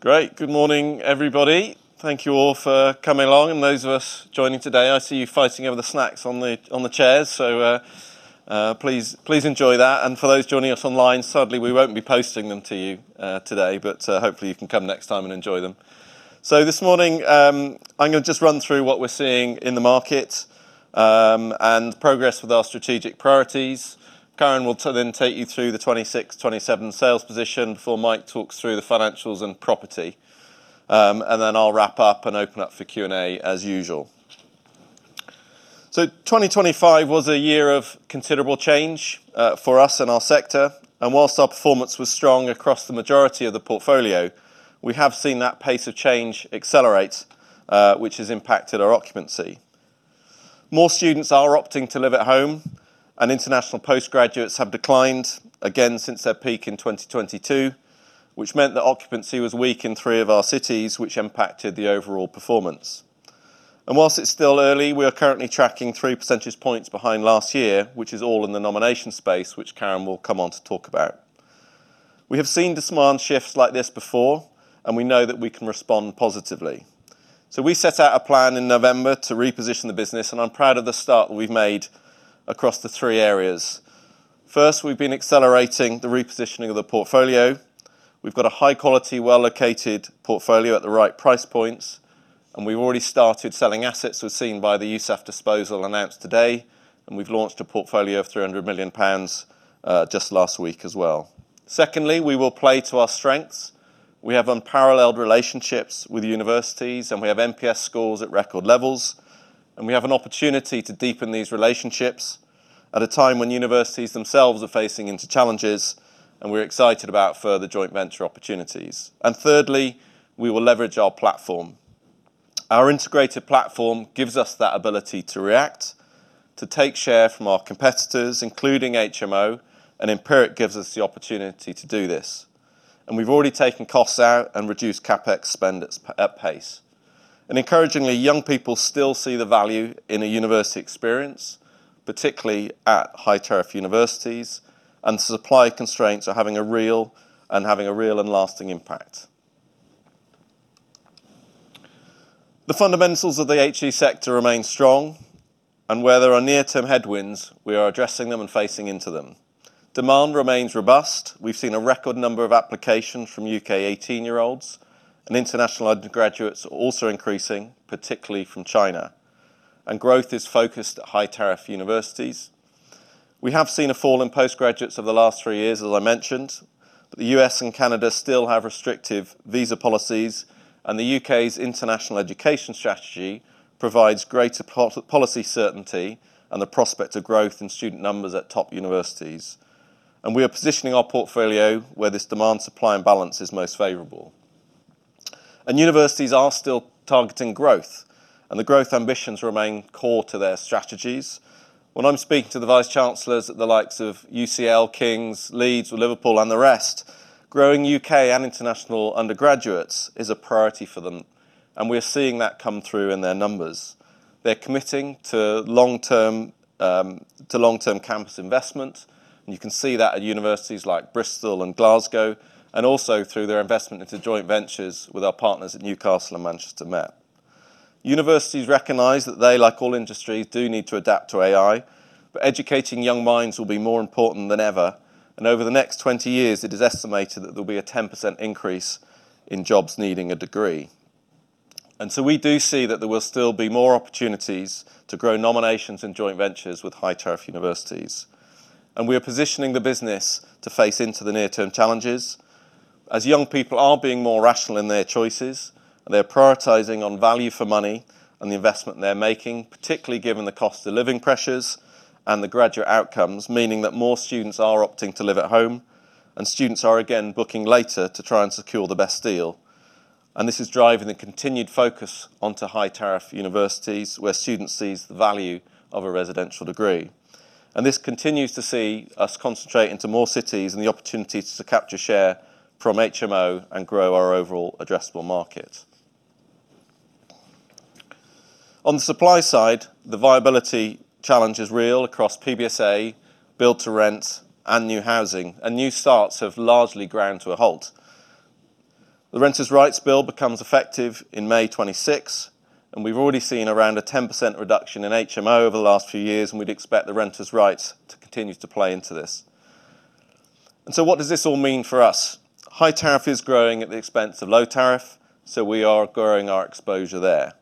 Great. Good morning, everybody. Thank you all for coming along and those of us joining today. I see you fighting over the snacks on the, on the chairs, please enjoy that. For those joining us online, sadly, we won't be posting them to you today, hopefully you can come next time and enjoy them. This morning, I'm gonna just run through what we're seeing in the market, and progress with our strategic priorities. Karan will then take you through the 2026, 2027 sales position before Mike talks through the financials and property. Then I'll wrap up and open up for Q&A, as usual. 2025 was a year of considerable change for us and our sector, and whilst our performance was strong across the majority of the portfolio, we have seen that pace of change accelerate, which has impacted our occupancy. More students are opting to live at home, and international postgraduates have declined again since their peak in 2022, which meant that occupancy was weak in three of our cities, which impacted the overall performance. Whilst it's still early, we are currently tracking 3 percentage points behind last year, which is all in the nomination space, which Karan will come on to talk about. We have seen demand shifts like this before, and we know that we can respond positively. We set out a plan in November to reposition the business, and I'm proud of the start we've made across the three areas. First, we've been accelerating the repositioning of the portfolio. We've got a high quality, well-located portfolio at the right price points, and we've already started selling assets, as seen by the USAF disposal announced today, and we've launched a portfolio of 300 million pounds just last week as well. Secondly, we will play to our strengths. We have unparalleled relationships with the universities, and we have NPS scores at record levels, and we have an opportunity to deepen these relationships at a time when universities themselves are facing into challenges, and we're excited about further joint venture opportunities. Thirdly, we will leverage our platform. Our integrated platform gives us that ability to react, to take share from our competitors, including HMO, and Empiric gives us the opportunity to do this. We've already taken costs out and reduced CapEx spend at pace. Encouragingly, young people still see the value in a university experience, particularly at high-tariff universities, and supply constraints are having a real and lasting impact. The fundamentals of the HE sector remain strong, and where there are near-term headwinds, we are addressing them and facing into them. Demand remains robust. We've seen a record number of applications from U.K. 18-year-olds, and international undergraduates are also increasing, particularly from China. Growth is focused at high-tariff universities. We have seen a fall in postgraduates over the last three years, as I mentioned, but the U.S. and Canada still have restrictive visa policies, and the U.K.'s international education strategy provides greater policy certainty and the prospect of growth in student numbers at top universities. We are positioning our portfolio where this demand, supply, and balance is most favorable. Universities are still targeting growth, and the growth ambitions remain core to their strategies. When I'm speaking to the vice chancellors at the likes of UCL, Kings, Leeds, Liverpool, and the rest, growing UK and international undergraduates is a priority for them, and we're seeing that come through in their numbers. They're committing to long-term to long-term campus investment, and you can see that at universities like Bristol and Glasgow, and also through their investment into joint ventures with our partners at Newcastle and Manchester Met. Universities recognize that they, like all industries, do need to adapt to AI, but educating young minds will be more important than ever. Over the next 20 years, it is estimated that there'll be a 10% increase in jobs needing a degree. We do see that there will still be more opportunities to grow nominations and joint ventures with high-tariff universities. We are positioning the business to face into the near-term challenges. As young people are being more rational in their choices, they're prioritizing on value for money and the investment they're making, particularly given the cost of living pressures and the graduate outcomes, meaning that more students are opting to live at home, and students are again booking later to try and secure the best deal. This is driving the continued focus onto high-tariff universities, where students sees the value of a residential degree. This continues to see us concentrate into more cities and the opportunities to capture share from HMO and grow our overall addressable market. On the supply side, the viability challenge is real across PBSA, Build-to-Rent, and new housing. New starts have largely ground to a halt. The Renters' Rights Bill becomes effective in May 2026. We've already seen around a 10% reduction in HMO over the last few years, and we'd expect the renters' rights to continue to play into this. What does this all mean for us? High-tariff is growing at the expense of low tariff, so we are growing our exposure there.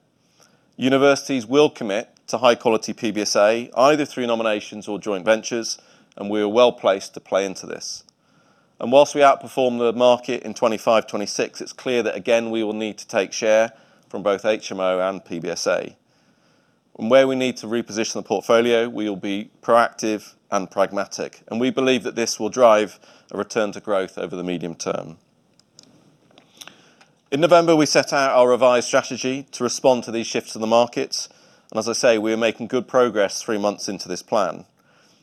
Universities will commit to high-quality PBSA, either through nominations or joint ventures, and we are well placed to play into this. Whilst we outperform the market in 2025-2026, it's clear that, again, we will need to take share from both HMO and PBSA. Where we need to reposition the portfolio, we will be proactive and pragmatic, and we believe that this will drive a return to growth over the medium term. In November, we set out our revised strategy to respond to these shifts in the markets, as I say, we are making good progress three months into this plan.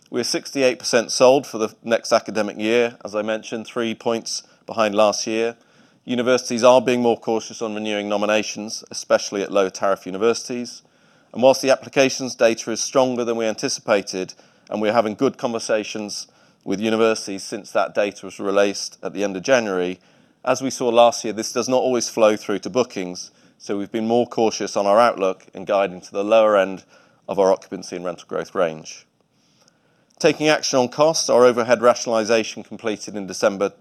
We are 68% sold for the next academic year, as I mentioned, 3 points behind last year. Universities are being more cautious on renewing nominations, especially at low-tariff universities. Whilst the applications data is stronger than we anticipated, and we're having good conversations with universities since that data was released at the end of January, as we saw last year, this does not always flow through to bookings, so we've been more cautious on our outlook and guiding to the lower end of our occupancy and rental growth range. Taking action on costs, our overhead rationalization completed in December,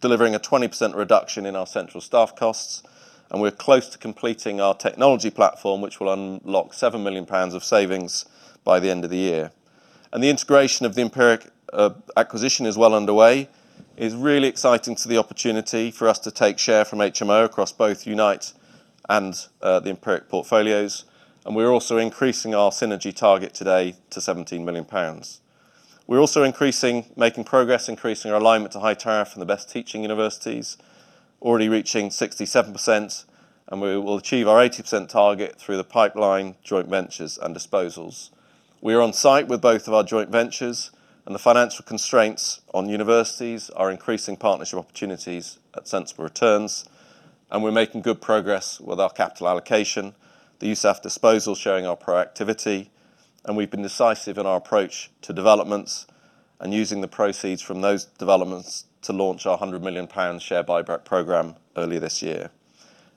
delivering a 20% reduction in our central staff costs, and we're close to completing our technology platform, which will unlock 7 million pounds of savings by the end of the year. The integration of the Empiric acquisition is well underway. It's really exciting to the opportunity for us to take share from HMO across both Unite and the Empiric portfolios, and we're also increasing our synergy target today to 17 million pounds. We're also making progress, increasing our alignment to high-tariff and the best teaching universities, already reaching 67%, and we will achieve our 80% target through the pipeline, joint ventures and disposals. We are on site with both of our joint ventures. The financial constraints on universities are increasing partnership opportunities at sensible returns, and we're making good progress with our capital allocation. The USAF disposal showing our proactivity. We've been decisive in our approach to developments and using the proceeds from those developments to launch our 100 million pound share buyback program earlier this year.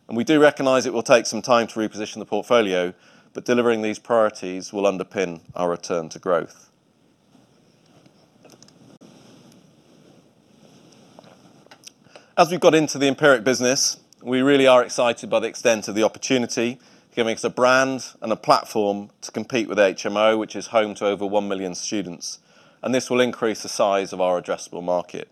We do recognize it will take some time to reposition the portfolio, but delivering these priorities will underpin our return to growth. As we've got into the Empiric business, we really are excited by the extent of the opportunity, giving us a brand and a platform to compete with HMO, which is home to over 1 million students. This will increase the size of our addressable market.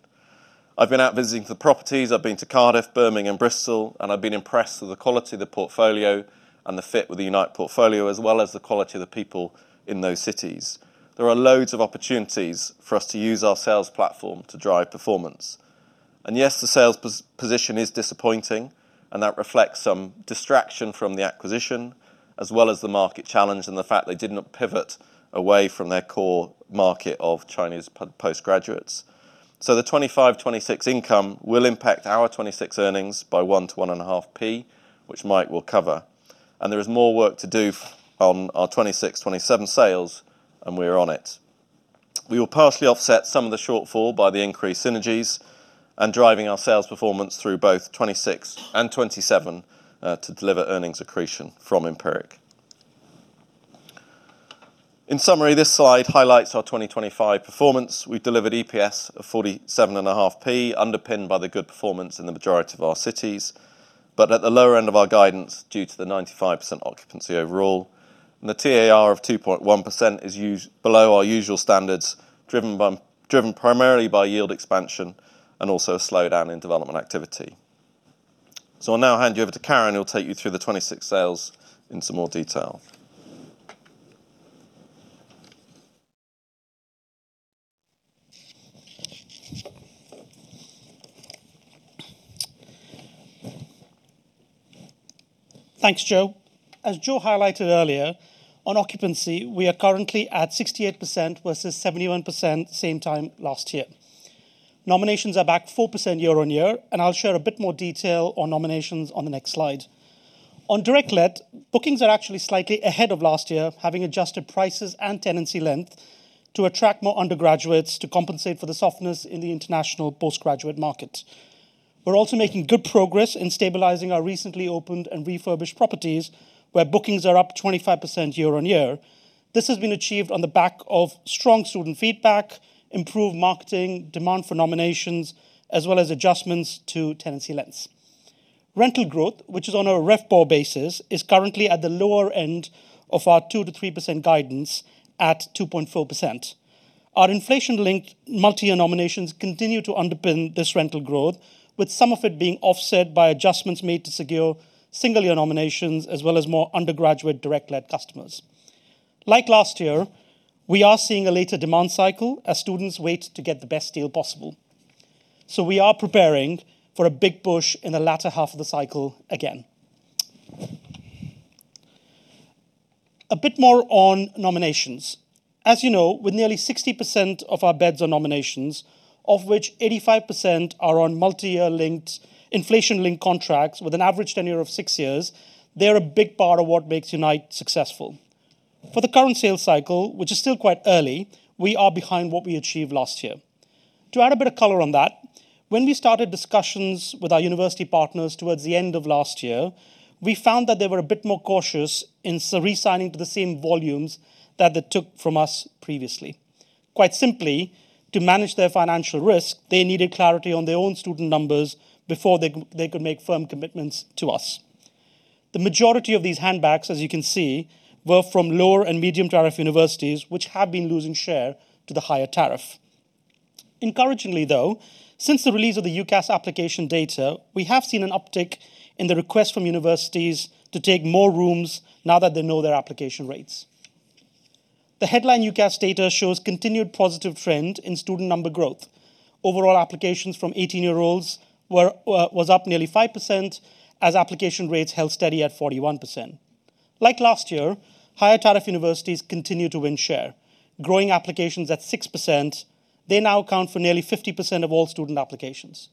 I've been out visiting the properties. I've been to Cardiff, Birmingham, and Bristol, and I've been impressed with the quality of the portfolio and the fit with the Unite portfolio, as well as the quality of the people in those cities. There are loads of opportunities for us to use our sales platform to drive performance. The sales position is disappointing, and that reflects some distraction from the acquisition, as well as the market challenge and the fact they did not pivot away from their core market of Chinese postgraduates. The 2025, 2026 income will impact our 2026 earnings by 0.01 to 0.015, which Mike will cover. There is more work to do on our 2026, 2027 sales, and we are on it. We will partially offset some of the shortfall by the increased synergies and driving our sales performance through both 2026 and 2027 to deliver earnings accretion from Empiric. In summary, this slide highlights our 2025 performance. We delivered EPS of 47.5, underpinned by the good performance in the majority of our cities, but at the lower end of our guidance, due to the 95% occupancy overall. The TAR of 2.1% is below our usual standards, driven primarily by yield expansion and also a slowdown in development activity. I'll now hand you over to Karan, who'll take you through the 2026 sales in some more detail. Thanks, Joe. As Joe highlighted earlier, on occupancy, we are currently at 68% versus 71% same time last year. Nominations are back 4% year-on-year, and I'll share a bit more detail on nominations on the next slide. On direct let, bookings are actually slightly ahead of last year, having adjusted prices and tenancy length to attract more undergraduates to compensate for the softness in the international postgraduate market. We're also making good progress in stabilizing our recently opened and refurbished properties, where bookings are up 25% year-on-year. This has been achieved on the back of strong student feedback, improved marketing, demand for nominations, as well as adjustments to tenancy lengths. Rental growth, which is on a RevPOR basis, is currently at the lower end of our 2%-3% guidance at 2.4%. Our inflation-linked multi-year nominations continue to underpin this rental growth, with some of it being offset by adjustments made to secure single-year nominations, as well as more undergraduate direct-led customers. Like last year, we are seeing a later demand cycle as students wait to get the best deal possible. We are preparing for a big push in the latter half of the cycle again. A bit more on nominations. As you know, with nearly 60% of our beds on nominations, of which 85% are on multi-year linked, inflation-linked contracts with an average tenure of 6 years, they're a big part of what makes Unite successful. For the current sales cycle, which is still quite early, we are behind what we achieved last year. To add a bit of color on that, when we started discussions with our university partners towards the end of last year, we found that they were a bit more cautious in resigning to the same volumes that they took from us previously. Quite simply, to manage their financial risk, they needed clarity on their own student numbers before they could make firm commitments to us. The majority of these handbacks, as you can see, were from lower and medium tariff universities, which have been losing share to the high-tariff. Encouragingly, though, since the release of the UCAS application data, we have seen an uptick in the request from universities to take more rooms now that they know their application rates. The headline UCAS data shows continued positive trend in student number growth. Overall applications from 18-year-olds were up nearly 5%, as application rates held steady at 41%. Like last year, high-tariff universities continued to win share. Growing applications at 6%, they now account for nearly 50% of all student applications.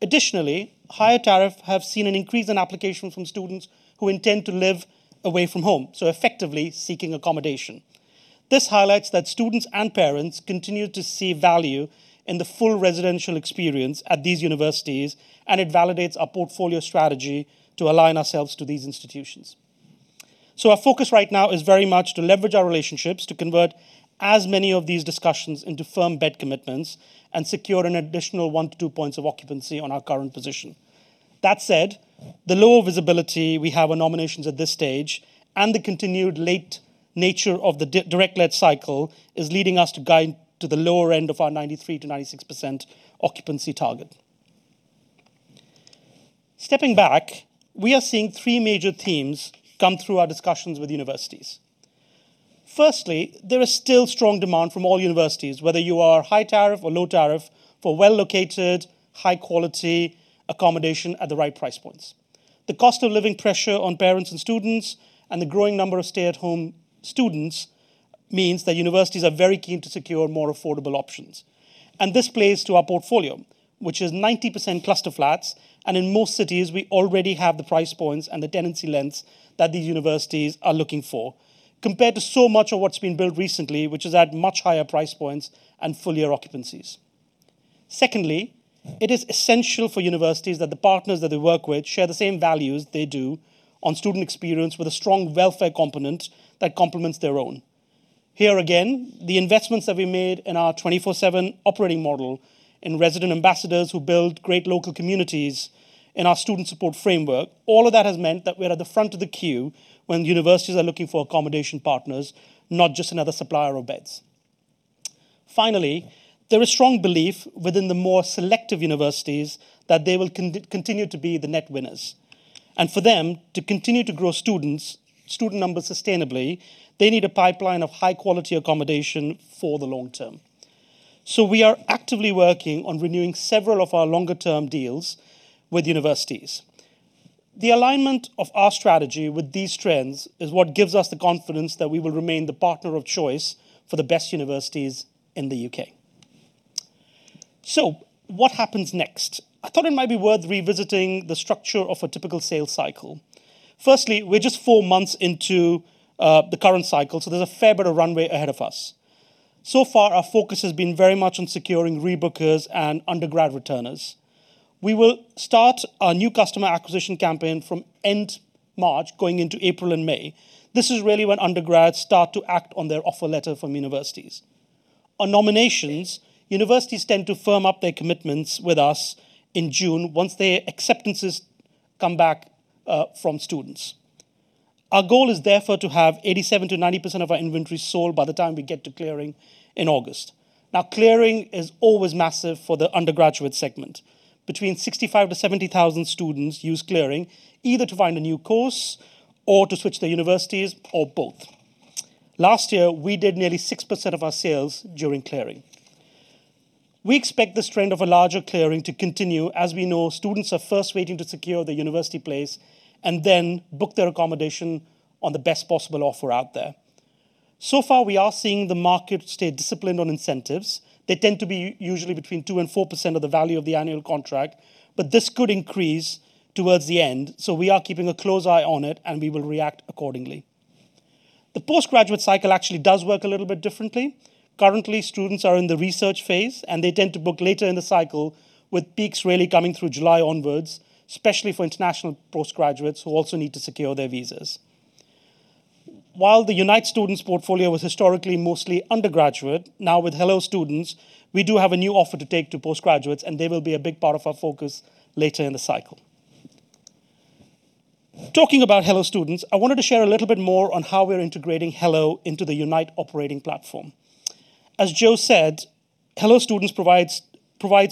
Additionally, high-tariff have seen an increase in applications from students who intend to live away from home, so effectively seeking accommodation. This highlights that students and parents continue to see value in the full residential experience at these universities, and it validates our portfolio strategy to align ourselves to these institutions. Our focus right now is very much to leverage our relationships, to convert as many of these discussions into firm bed commitments and secure an additional one to two points of occupancy on our current position. That said, the lower visibility we have on nominations at this stage and the continued late nature of the direct let cycle is leading us to guide to the lower end of our 93%-96% occupancy target. Stepping back, we are seeing three major themes come through our discussions with universities. Firstly, there is still strong demand from all universities, whether you are high-tariff or low-tariff, for well-located, high-quality accommodation at the right price points. The cost of living pressure on parents and students and the growing number of stay-at-home students means that universities are very keen to secure more affordable options. This plays to our portfolio, which is 90% cluster flats, and in most cities, we already have the price points and the tenancy lengths that these universities are looking for, compared to so much of what's been built recently, which is at much higher price points and full year occupancies. Secondly, it is essential for universities that the partners that they work with share the same values they do on student experience, with a strong welfare component that complements their own. Here again, the investments that we made in our 24/7 operating model, in resident ambassadors who build great local communities, in our student support framework, all of that has meant that we're at the front of the queue when universities are looking for accommodation partners, not just another supplier of beds. Finally, there is strong belief within the more selective universities that they will continue to be the net winners, and for them to continue to grow student numbers sustainably, they need a pipeline of high-quality accommodation for the long term. We are actively working on renewing several of our longer-term deals with universities. The alignment of our strategy with these trends is what gives us the confidence that we will remain the partner of choice for the best universities in the U.K. What happens next? I thought it might be worth revisiting the structure of a typical sales cycle. Firstly, we're just four months into the current cycle, so there's a fair bit of runway ahead of us. So far, our focus has been very much on securing rebookers and undergrad returners. We will start our new customer acquisition campaign from end March, going into April and May. This is really when undergrads start to act on their offer letter from universities. On nominations, universities tend to firm up their commitments with us in June once their acceptances come back from students. Our goal is therefore to have 87%-90% of our inventory sold by the time we get to Clearing in August. Clearing is always massive for the undergraduate segment. Between 65,000-70,000 students use Clearing, either to find a new course or to switch their universities or both. Last year, we did nearly 6% of our sales during Clearing. We expect this trend of a larger Clearing to continue. As we know, students are first waiting to secure their university place and then book their accommodation on the best possible offer out there. So far, we are seeing the market stay disciplined on incentives. They tend to be usually between 2% and 4% of the value of the annual contract, but this could increase towards the end, so we are keeping a close eye on it, and we will react accordingly. The postgraduate cycle actually does work a little bit differently. Currently, students are in the research phase, and they tend to book later in the cycle, with peaks really coming through July onwards, especially for international postgraduates who also need to secure their visas. While the Unite Students portfolio was historically mostly undergraduate, now with Hello Students, we do have a new offer to take to postgraduates, and they will be a big part of our focus later in the cycle. Talking about Hello Students, I wanted to share a little bit more on how we're integrating Hello into the Unite operating platform. As Joe said, Hello Students provides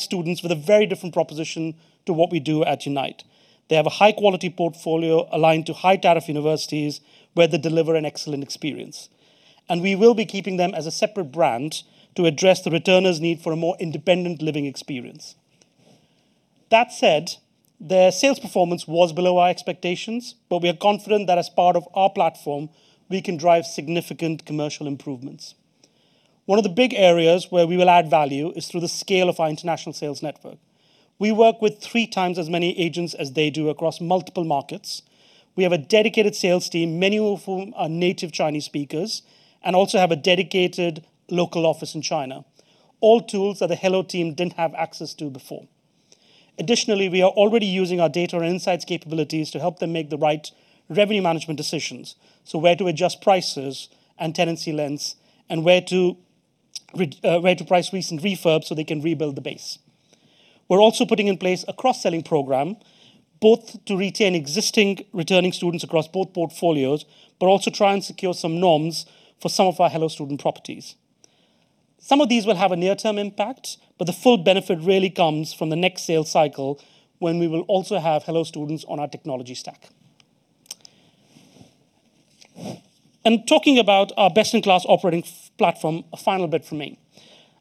students with a very different proposition to what we do at Unite. They have a high-quality portfolio aligned to high-tariff universities, where they deliver an excellent experience. We will be keeping them as a separate brand to address the returners' need for a more independent living experience. That said, their sales performance was below our expectations, but we are confident that as part of our platform, we can drive significant commercial improvements. One of the big areas where we will add value is through the scale of our international sales network. We work with three times as many agents as they do across multiple markets. We have a dedicated sales team, many of whom are native Chinese speakers, and also have a dedicated local office in China, all tools that the Hello team didn't have access to before. Additionally, we are already using our data and insights capabilities to help them make the right revenue management decisions, so where to adjust prices and tenancy lengths, and where to price recent refurbs so they can rebuild the base. We're also putting in place a cross-selling program, both to retain existing returning students across both portfolios, but also try and secure some noms for some of our Hello Student properties. Some of these will have a near-term impact, but the full benefit really comes from the next sales cycle, when we will also have Hello Students on our technology stack. Talking about our best-in-class operating platform, a final bit from me.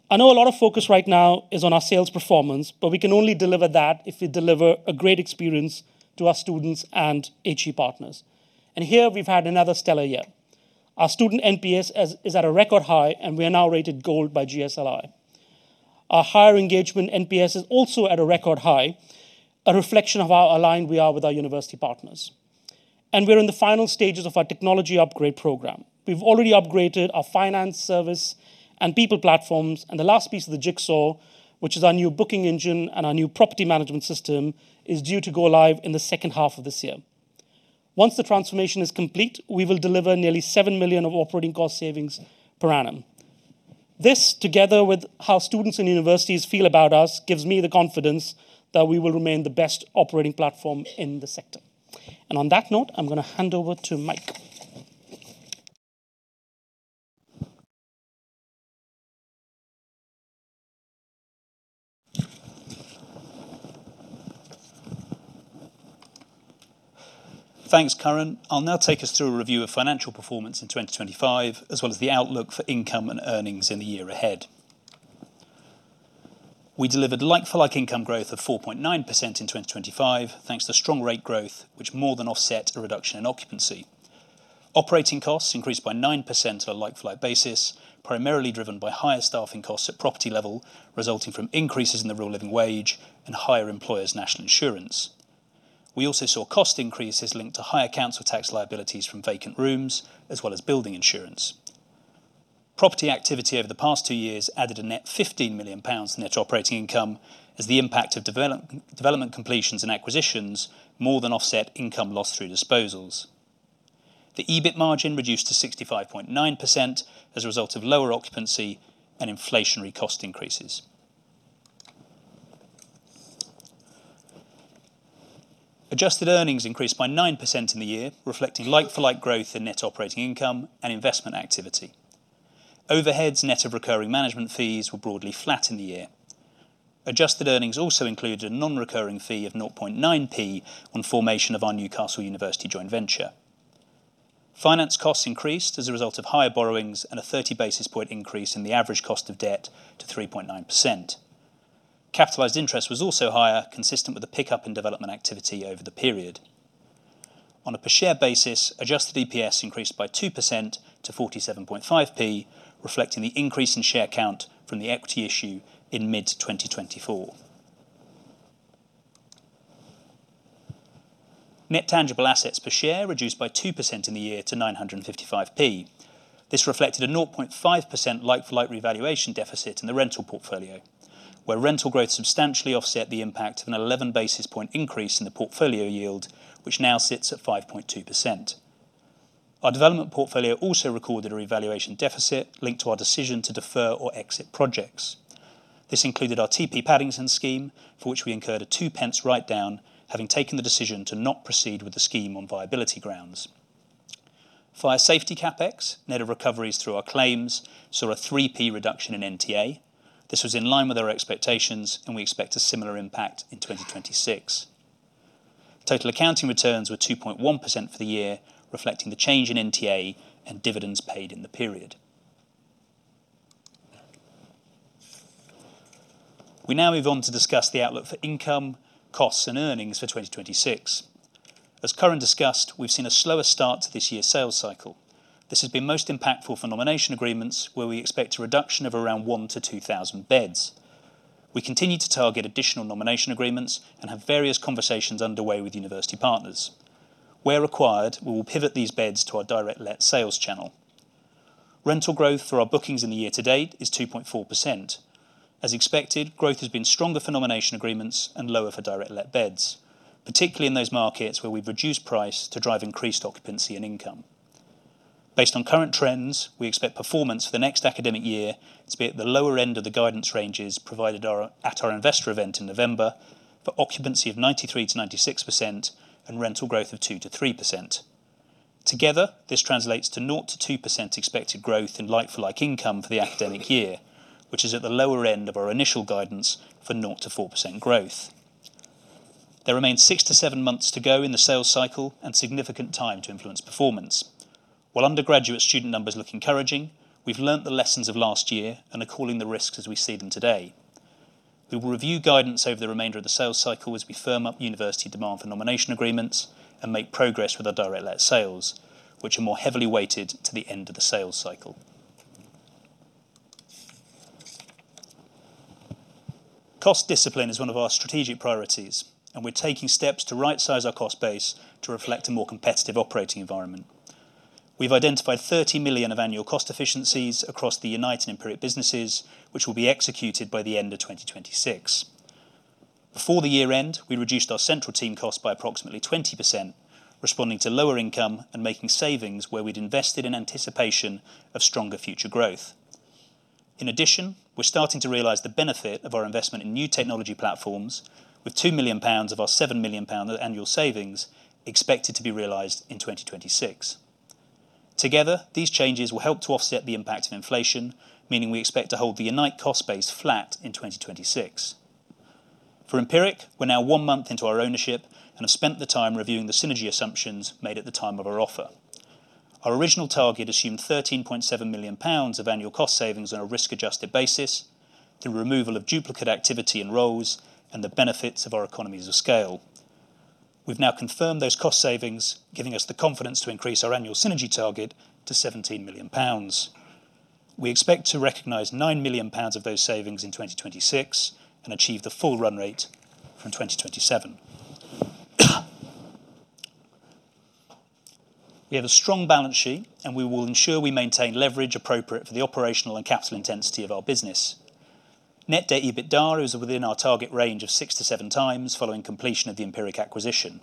I know a lot of focus right now is on our sales performance, but we can only deliver that if we deliver a great experience to our students and HE partners. Here, we've had another stellar year. Our student NPS is at a record high, and we are now rated Gold by GSLI. Our higher engagement NPS is also at a record high, a reflection of how aligned we are with our university partners. We're in the final stages of our technology upgrade program. We've already upgraded our finance service and people platforms, and the last piece of the jigsaw, which is our new booking engine and our new property management system, is due to go live in the second half of this year. Once the transformation is complete, we will deliver nearly 7 million of operating cost savings per annum. This, together with how students and universities feel about us, gives me the confidence that we will remain the best operating platform in the sector. On that note, I'm gonna hand over to Mike. Thanks, Karan. I'll now take us through a review of financial performance in 2025, as well as the outlook for income and earnings in the year ahead. We delivered like-for-like income growth of 4.9% in 2025, thanks to strong rate growth, which more than offset a reduction in occupancy. Operating costs increased by 9% on a like-for-like basis, primarily driven by higher staffing costs at property level, resulting from increases in the real living wage and higher employers' national insurance. We also saw cost increases linked to higher council tax liabilities from vacant rooms, as well as building insurance. Property activity over the past two years added a net 15 million pounds in net operating income, as the impact of development completions and acquisitions more than offset income lost through disposals. The EBIT margin reduced to 65.9% as a result of lower occupancy and inflationary cost increases. Adjusted earnings increased by 9% in the year, reflecting like-for-like growth in net operating income and investment activity. Overheads, net of recurring management fees, were broadly flat in the year. Adjusted earnings also included a non-recurring fee of 0.009 on formation of our Newcastle University joint venture. Finance costs increased as a result of higher borrowings and a 30 basis point increase in the average cost of debt to 3.9%. Capitalized interest was also higher, consistent with the pickup in development activity over the period. On a per share basis, adjusted EPS increased by 2% to 0.475, reflecting the increase in share count from the equity issue in mid-2024. Net tangible assets per share reduced by 2% in the year to 9.55. This reflected a 0.5% like-for-like revaluation deficit in the rental portfolio, where rental growth substantially offset the impact of an 11 basis point increase in the portfolio yield, which now sits at 5.2%. Our development portfolio also recorded a revaluation deficit linked to our decision to defer or exit projects. This included our TP Paddington scheme, for which we incurred a 0.02 write-down, having taken the decision to not proceed with the scheme on viability grounds. Fire safety CapEx, net of recoveries through our claims, saw a 0.03 reduction in NTA. This was in line with our expectations, and we expect a similar impact in 2026. Total accounting returns were 2.1% for the year, reflecting the change in NTA and dividends paid in the period. We now move on to discuss the outlook for income, costs, and earnings for 2026. As Karan discussed, we've seen a slower start to this year's sales cycle. This has been most impactful for nominations agreements, where we expect a reduction of around 1,000-2,000 beds. We continue to target additional nominations agreements and have various conversations underway with university partners. Where required, we will pivot these beds to our direct let sales channel. Rental growth for our bookings in the year-to-date is 2.4%. As expected, growth has been stronger for nominations agreements and lower for direct let beds, particularly in those markets where we've reduced price to drive increased occupancy and income. Based on current trends, we expect performance for the next academic year to be at the lower end of the guidance ranges provided at our investor event in November, for occupancy of 93%-96% and rental growth of 2%-3%. Together, this translates to 0%-2% expected growth in like-for-like income for the academic year, which is at the lower end of our initial guidance for 0%-4% growth. There remains six to seven months to go in the sales cycle and significant time to influence performance. While undergraduate student numbers look encouraging, we've learned the lessons of last year and are calling the risks as we see them today. We will review guidance over the remainder of the sales cycle as we firm up university demand for nominations agreements and make progress with our direct let sales, which are more heavily weighted to the end of the sales cycle. Cost discipline is one of our strategic priorities, and we're taking steps to rightsize our cost base to reflect a more competitive operating environment. We've identified 30 million of annual cost efficiencies across the Unite and Empiric businesses, which will be executed by the end of 2026. Before the year end, we reduced our central team costs by approximately 20%, responding to lower income and making savings where we'd invested in anticipation of stronger future growth. In addition, we're starting to realize the benefit of our investment in new technology platforms, with 2 million pounds of our 7 million pound annual savings expected to be realized in 2026. Together, these changes will help to offset the impact of inflation, meaning we expect to hold the Unite cost base flat in 2026. For Empiric, we're now one month into our ownership and have spent the time reviewing the synergy assumptions made at the time of our offer. Our original target assumed 13.7 million pounds of annual cost savings on a risk-adjusted basis, through removal of duplicate activity and roles and the benefits of our economies of scale. We've now confirmed those cost savings, giving us the confidence to increase our annual synergy target to 17 million pounds. We expect to recognize 9 million pounds of those savings in 2026, achieve the full run rate from 2027. We have a strong balance sheet, we will ensure we maintain leverage appropriate for the operational and capital intensity of our business. Net debt EBITDA is within our target range of six to seven times, following completion of the Empiric acquisition,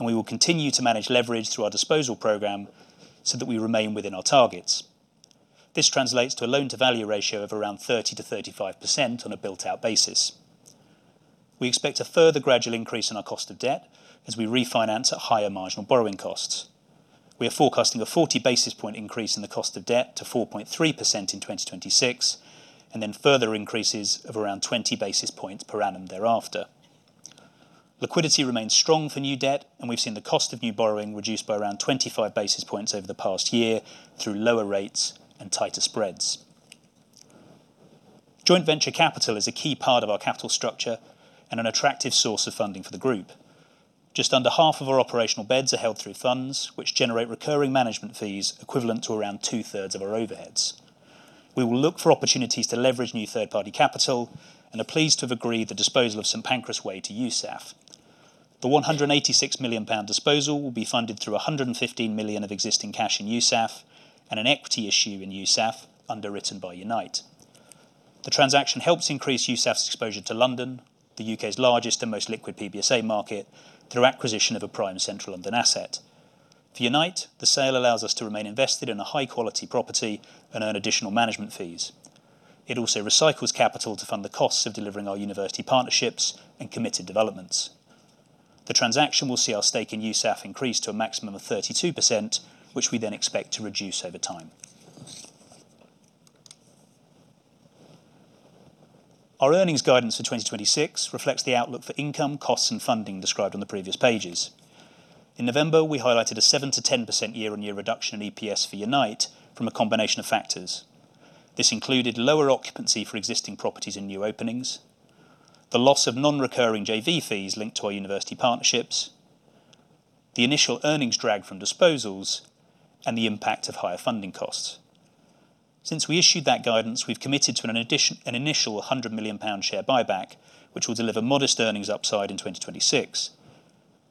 we will continue to manage leverage through our disposal program so that we remain within our targets. This translates to a loan-to-value ratio of around 30%-35% on a built-out basis. We expect a further gradual increase in our cost of debt as we refinance at higher marginal borrowing costs. We are forecasting a 40 basis point increase in the cost of debt to 4.3% in 2026, further increases of around 20 basis points per annum thereafter. Liquidity remains strong for new debt. We've seen the cost of new borrowing reduced by around 25 basis points over the past year through lower rates and tighter spreads. Joint venture capital is a key part of our capital structure and an attractive source of funding for the group. Just under half of our operational beds are held through funds, which generate recurring management fees equivalent to around two-thirds of our overheads. We will look for opportunities to leverage new third-party capital and are pleased to have agreed the disposal of St Pancras Way to USAF. The 186 million pound disposal will be funded through 115 million of existing cash in USAF and an equity issue in USAF, underwritten by Unite. The transaction helps increase USAF's exposure to London, the U.K.'s largest and most liquid PBSA market, through acquisition of a prime central London asset. For Unite, the sale allows us to remain invested in a high-quality property and earn additional management fees. It also recycles capital to fund the costs of delivering our university partnerships and committed developments. The transaction will see our stake in USAF increase to a maximum of 32%, which we then expect to reduce over time. Our earnings guidance for 2026 reflects the outlook for income, costs and funding described on the previous pages. In November, we highlighted a 7%-10% year-on-year reduction in EPS for Unite from a combination of factors. This included lower occupancy for existing properties and new openings, the loss of non-recurring JV fees linked to our university partnerships, the initial earnings drag from disposals, and the impact of higher funding costs. Since we issued that guidance, we've committed to an initial 100 million pound share buyback, which will deliver modest earnings upside in 2026.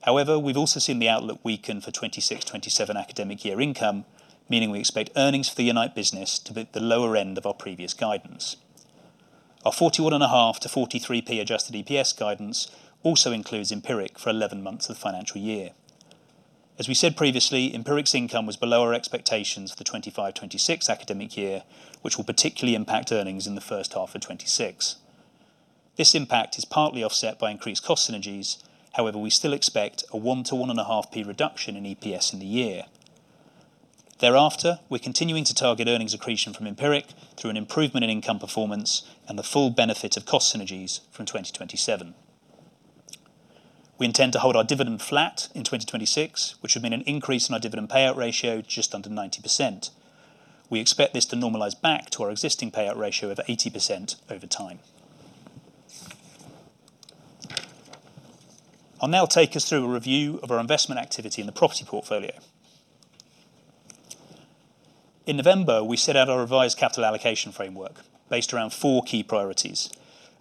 We've also seen the outlook weaken for 2026/2027 academic year income, meaning we expect earnings for the Unite business to be at the lower end of our previous guidance. Our GBP 41.5p-GBP 43 adjusted EPS guidance also includes Empiric for 11 months of the financial year. As we said previously, Empiric's income was below our expectations for the 2025/2026 academic year, which will particularly impact earnings in the first half of 2026. This impact is partly offset by increased cost synergies. We still expect a 1-1.5 reduction in EPS in the year. Thereafter, we're continuing to target earnings accretion from Empiric through an improvement in income performance and the full benefit of cost synergies from 2027. We intend to hold our dividend flat in 2026, which would mean an increase in our dividend payout ratio to just under 90%. We expect this to normalize back to our existing payout ratio of 80% over time. I'll now take us through a review of our investment activity in the property portfolio. In November, we set out our revised capital allocation framework based around four key priorities,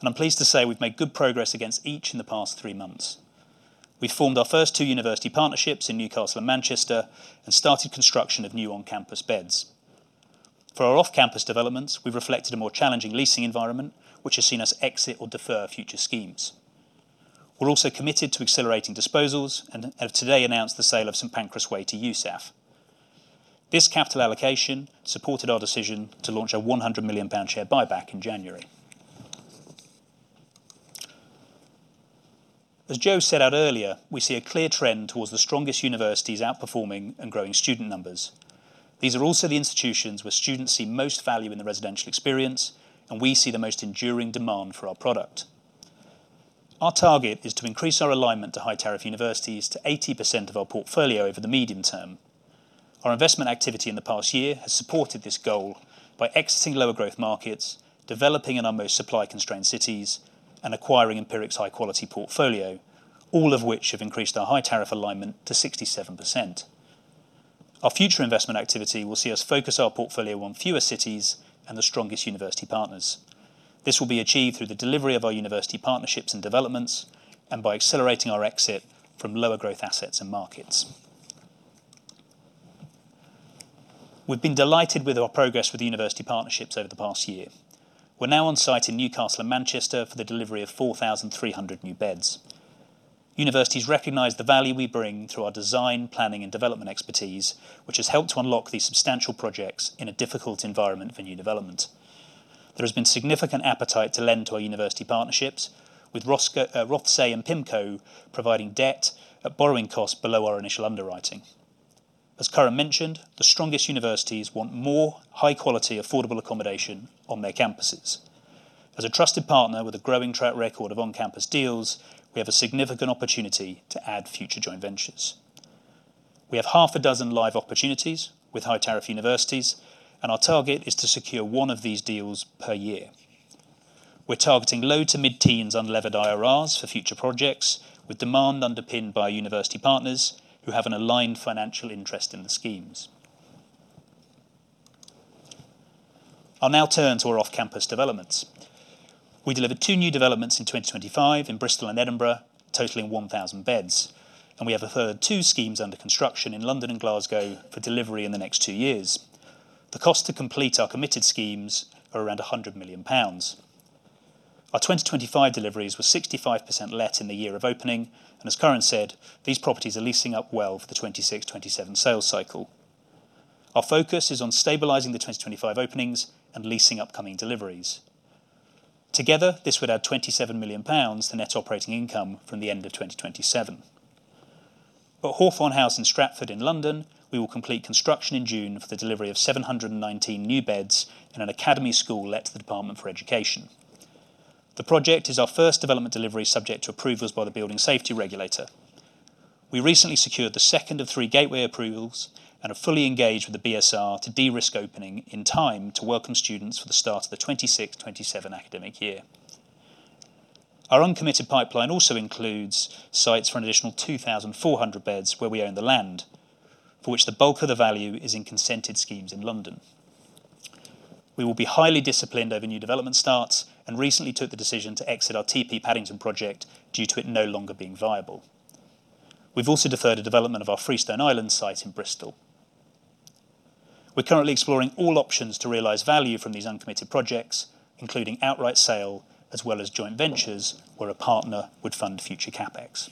and I'm pleased to say we've made good progress against each in the past three months. We formed our first two university partnerships in Newcastle and Manchester and started construction of new on-campus beds. For our off-campus developments, we've reflected a more challenging leasing environment, which has seen us exit or defer future schemes. We're also committed to accelerating disposals and have today announced the sale of St Pancras Way to USAF. This capital allocation supported our decision to launch a 100 million pound share buyback in January. As Joe set out earlier, we see a clear trend towards the strongest universities outperforming and growing student numbers. These are also the institutions where students see most value in the residential experience, and we see the most enduring demand for our product. Our target is to increase our alignment to high-tariff universities to 80% of our portfolio over the medium term. Our investment activity in the past year has supported this goal by exiting lower growth markets, developing in our most supply-constrained cities, and acquiring Empiric's high-quality portfolio, all of which have increased our high-tariff alignment to 67%. Our future investment activity will see us focus our portfolio on fewer cities and the strongest university partners. This will be achieved through the delivery of our university partnerships and developments, and by accelerating our exit from lower growth assets and markets. We've been delighted with our progress with the university partnerships over the past year. We're now on site in Newcastle and Manchester for the delivery of 4,300 new beds. Universities recognize the value we bring through our design, planning and development expertise, which has helped to unlock these substantial projects in a difficult environment for new development. There has been significant appetite to lend to our university partnerships, with Rothesay and PIMCO providing debt at borrowing costs below our initial underwriting. As Karan mentioned, the strongest universities want more high-quality, affordable accommodation on their campuses. As a trusted partner with a growing track record of on-campus deals, we have a significant opportunity to add future joint ventures. We have half a dozen live opportunities with high-tariff universities, and our target is to secure one of these deals per year. We're targeting low to mid-teens unlevered IRRs for future projects, with demand underpinned by university partners who have an aligned financial interest in the schemes. I'll now turn to our off-campus developments. We delivered two new developments in 2025 in Bristol and Edinburgh, totaling 1,000 beds. We have a further two schemes under construction in London and Glasgow for delivery in the next two years. The cost to complete our committed schemes are around 100 million pounds. Our 2025 deliveries were 65% let in the year of opening, and as Karan said, these properties are leasing up well for the 2026-2027 sales cycle. Our focus is on stabilizing the 2025 openings and leasing upcoming deliveries. Together, this would add 27 million pounds to net operating income from the end of 2027. Hawthorne House in Stratford in London, we will complete construction in June for the delivery of 719 new beds and an academy school let to the Department for Education. The project is our first development delivery, subject to approvals by the Building Safety Regulator. We recently secured the second of three gateway approvals and are fully engaged with the BSR to de-risk opening in time to welcome students for the start of the 2026-2027 academic year. Our uncommitted pipeline also includes sites for an additional 2,400 beds, where we own the land, for which the bulk of the value is in consented schemes in London. We will be highly disciplined over new development starts and recently took the decision to exit our TP Paddington project due to it no longer being viable. We've also deferred the development of our Freestone Island site in Bristol. We're currently exploring all options to realize value from these uncommitted projects, including outright sale, as well as joint ventures, where a partner would fund future CapEx.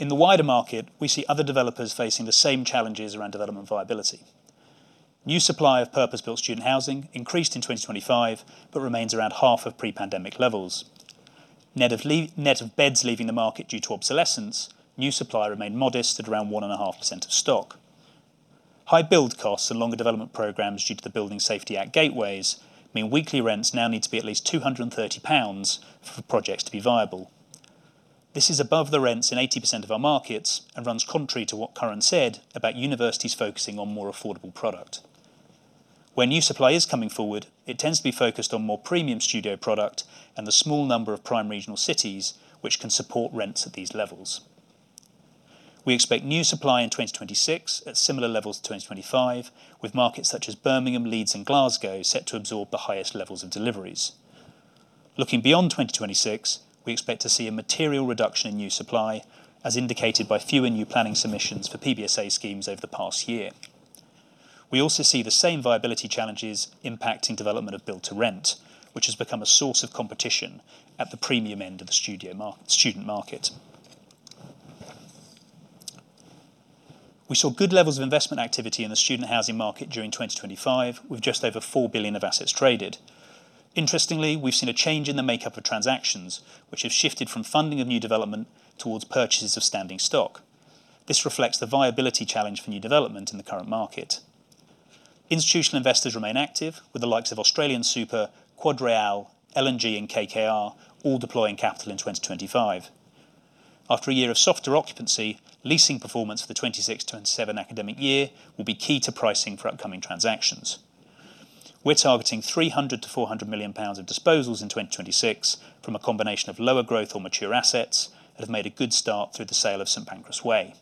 In the wider market, we see other developers facing the same challenges around development viability. New supply of purpose-built student housing increased in 2025, but remains around half of pre-pandemic levels. Net of beds leaving the market due to obsolescence, new supply remained modest at around 1.5% of stock. High build costs and longer development programs, due to the Building Safety Act gateways, mean weekly rents now need to be at least 230 pounds for projects to be viable. This is above the rents in 80% of our markets and runs contrary to what Karan said about universities focusing on more affordable product. Where new supply is coming forward, it tends to be focused on more premium studio product and the small number of prime regional cities which can support rents at these levels. We expect new supply in 2026 at similar levels to 2025, with markets such as Birmingham, Leeds, and Glasgow set to absorb the highest levels of deliveries. Looking beyond 2026, we expect to see a material reduction in new supply, as indicated by fewer new planning submissions for PBSA schemes over the past year. We also see the same viability challenges impacting development of Build-to-Rent, which has become a source of competition at the premium end of the studio student market. We saw good levels of investment activity in the student housing market during 2025, with just over 4 billion of assets traded. Interestingly, we've seen a change in the makeup of transactions, which have shifted from funding of new development towards purchases of standing stock. This reflects the viability challenge for new development in the current market. Institutional investors remain active with the likes of AustralianSuper, QuadReal, L&G, and KKR all deploying capital in 2025. After a year of softer occupancy, leasing performance for the 2026-2027 academic year will be key to pricing for upcoming transactions. We're targeting 300 million-400 million pounds of disposals in 2026 from a combination of lower growth or mature assets that have made a good start through the sale of St Pancras Way.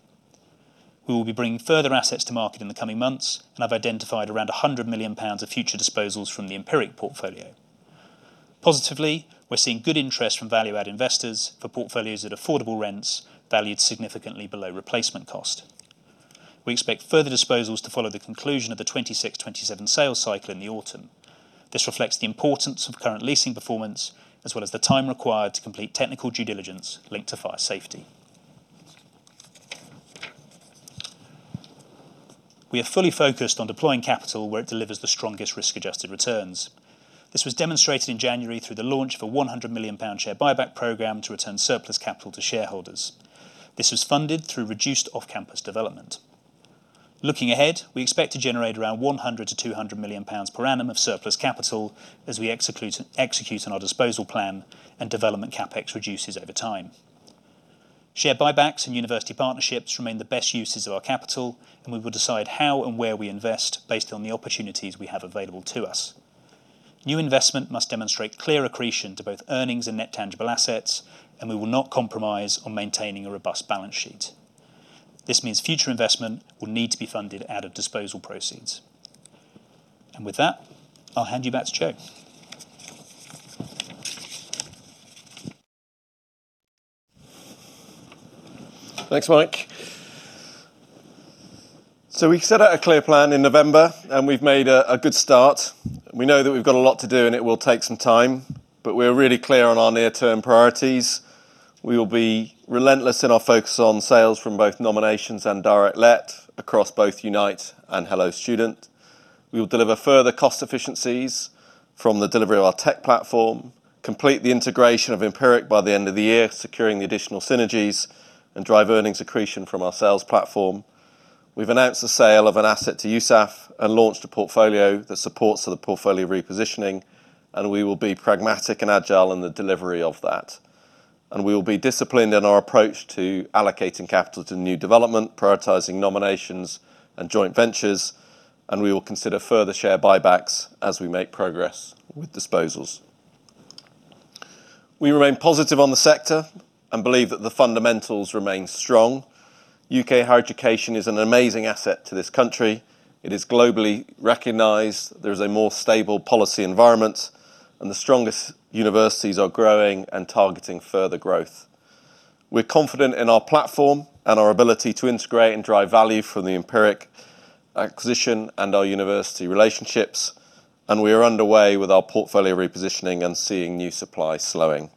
We will be bringing further assets to market in the coming months. I've identified around 100 million pounds of future disposals from the Empiric portfolio. Positively, we're seeing good interest from value-add investors for portfolios at affordable rents, valued significantly below replacement cost. We expect further disposals to follow the conclusion of the 2026-2027 sales cycle in the autumn. This reflects the importance of current leasing performance, as well as the time required to complete technical due diligence linked to fire safety. We are fully focused on deploying capital where it delivers the strongest risk-adjusted returns. This was demonstrated in January through the launch of a 100 million pound share buyback program to return surplus capital to shareholders. This was funded through reduced off-campus development. Looking ahead, we expect to generate around 100 million-200 million pounds per annum of surplus capital as we execute on our disposal plan and development CapEx reduces over time. Share buybacks and university partnerships remain the best uses of our capital, and we will decide how and where we invest based on the opportunities we have available to us. New investment must demonstrate clear accretion to both earnings and net tangible assets. We will not compromise on maintaining a robust balance sheet. This means future investment will need to be funded out of disposal proceeds. With that, I'll hand you back to Joe. Thanks, Mike. We set out a clear plan in November, and we've made a good start. We know that we've got a lot to do, and it will take some time, but we're really clear on our near-term priorities. We will be relentless in our focus on sales from both nominations and direct let across both Unite and Hello Student. We will deliver further cost efficiencies from the delivery of our tech platform, complete the integration of Empiric by the end of the year, securing the additional synergies, and drive earnings accretion from our sales platform. We've announced the sale of an asset to USAF and launched a portfolio that supports the portfolio repositioning, and we will be pragmatic and agile in the delivery of that. We will be disciplined in our approach to allocating capital to new development, prioritizing nominations and joint ventures, and we will consider further share buybacks as we make progress with disposals. We remain positive on the sector and believe that the fundamentals remain strong. U.K. higher education is an amazing asset to this country. It is globally recognized, there is a more stable policy environment, and the strongest universities are growing and targeting further growth. We're confident in our platform and our ability to integrate and drive value from the Empiric acquisition and our university relationships, and we are underway with our portfolio repositioning and seeing new supply slowing.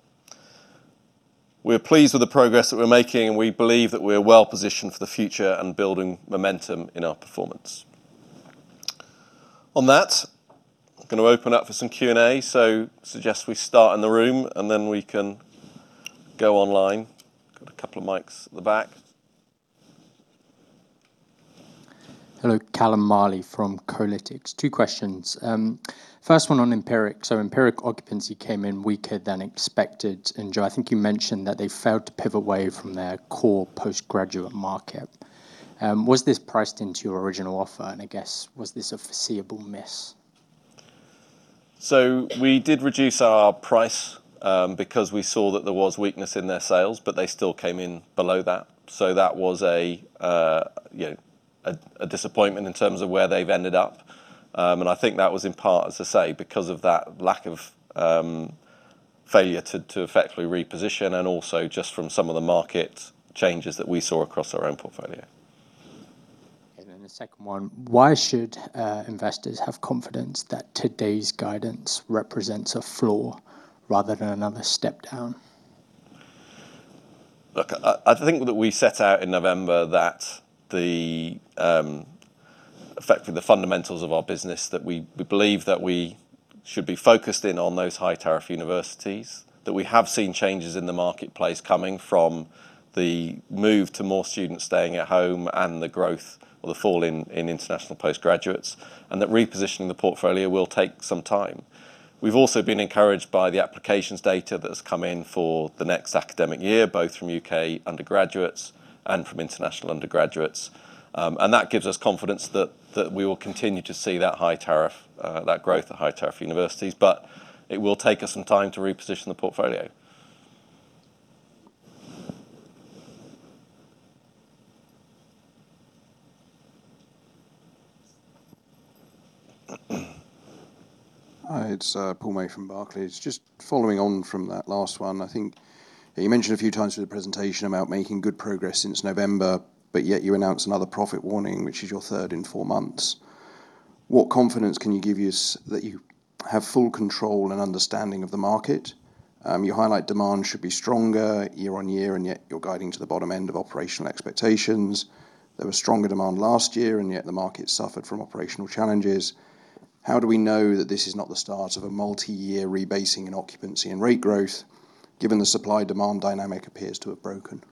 We are pleased with the progress that we're making, and we believe that we are well positioned for the future and building momentum in our performance. On that, I'm going to open up for some Q&A, so suggest we start in the room, and then we can go online. Got a couple of mics at the back. Hello, Calum Marley from Kolytics. Two questions. First one on Empiric. Empiric occupancy came in weaker than expected. Joe, I think you mentioned that they failed to pivot away from their core postgraduate market. Was this priced into your original offer? I guess, was this a foreseeable miss? We did reduce our price because we saw that there was weakness in their sales, but they still came in below that. That was, you know, a disappointment in terms of where they've ended up. I think that was in part, as I say, because of that lack of failure to effectively reposition, and also just from some of the market changes that we saw across our own portfolio. The second one: Why should investors have confidence that today's guidance represents a floor rather than another step down? I think that we set out in November that effectively, the fundamentals of our business, that we believe that we should be focused in on those high-tariff universities, that we have seen changes in the marketplace coming from the move to more students staying at home and the growth or the fall in international postgraduates, and that repositioning the portfolio will take some time. We've also been encouraged by the applications data that has come in for the next academic year, both from UK undergraduates and from international undergraduates. That gives us confidence that we will continue to see that high-tariff, that growth of high-tariff universities, but it will take us some time to reposition the portfolio. Hi, it's Paul May from Barclays. Just following on from that last one, I think you mentioned a few times in the presentation about making good progress since November, yet you announced another profit warning, which is your third in four months. What confidence can you give us that you have full control and understanding of the market? You highlight demand should be stronger year-on-year, and yet you're guiding to the bottom end of operational expectations. There was stronger demand last year, and yet the market suffered from operational challenges. How do we know that this is not the start of a multi-year rebasing in occupancy and rate growth, given the supply-demand dynamic appears to have broken?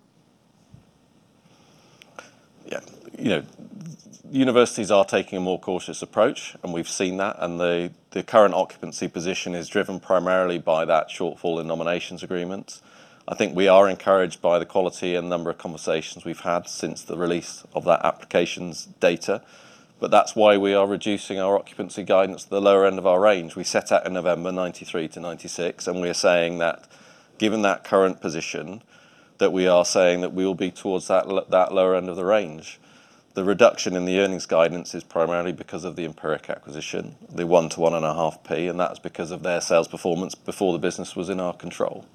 Yeah. You know, universities are taking a more cautious approach, we've seen that, the current occupancy position is driven primarily by that shortfall in nominations agreements. I think we are encouraged by the quality and number of conversations we've had since the release of that applications data, that's why we are reducing our occupancy guidance to the lower end of our range. We set out in November, 93%-96%, we are saying that, given that current position, that we are saying that we will be towards that lower end of the range. The reduction in the earnings guidance is primarily because of the Empiric acquisition, the 0.01-0.015, that's because of their sales performance before the business was in our control.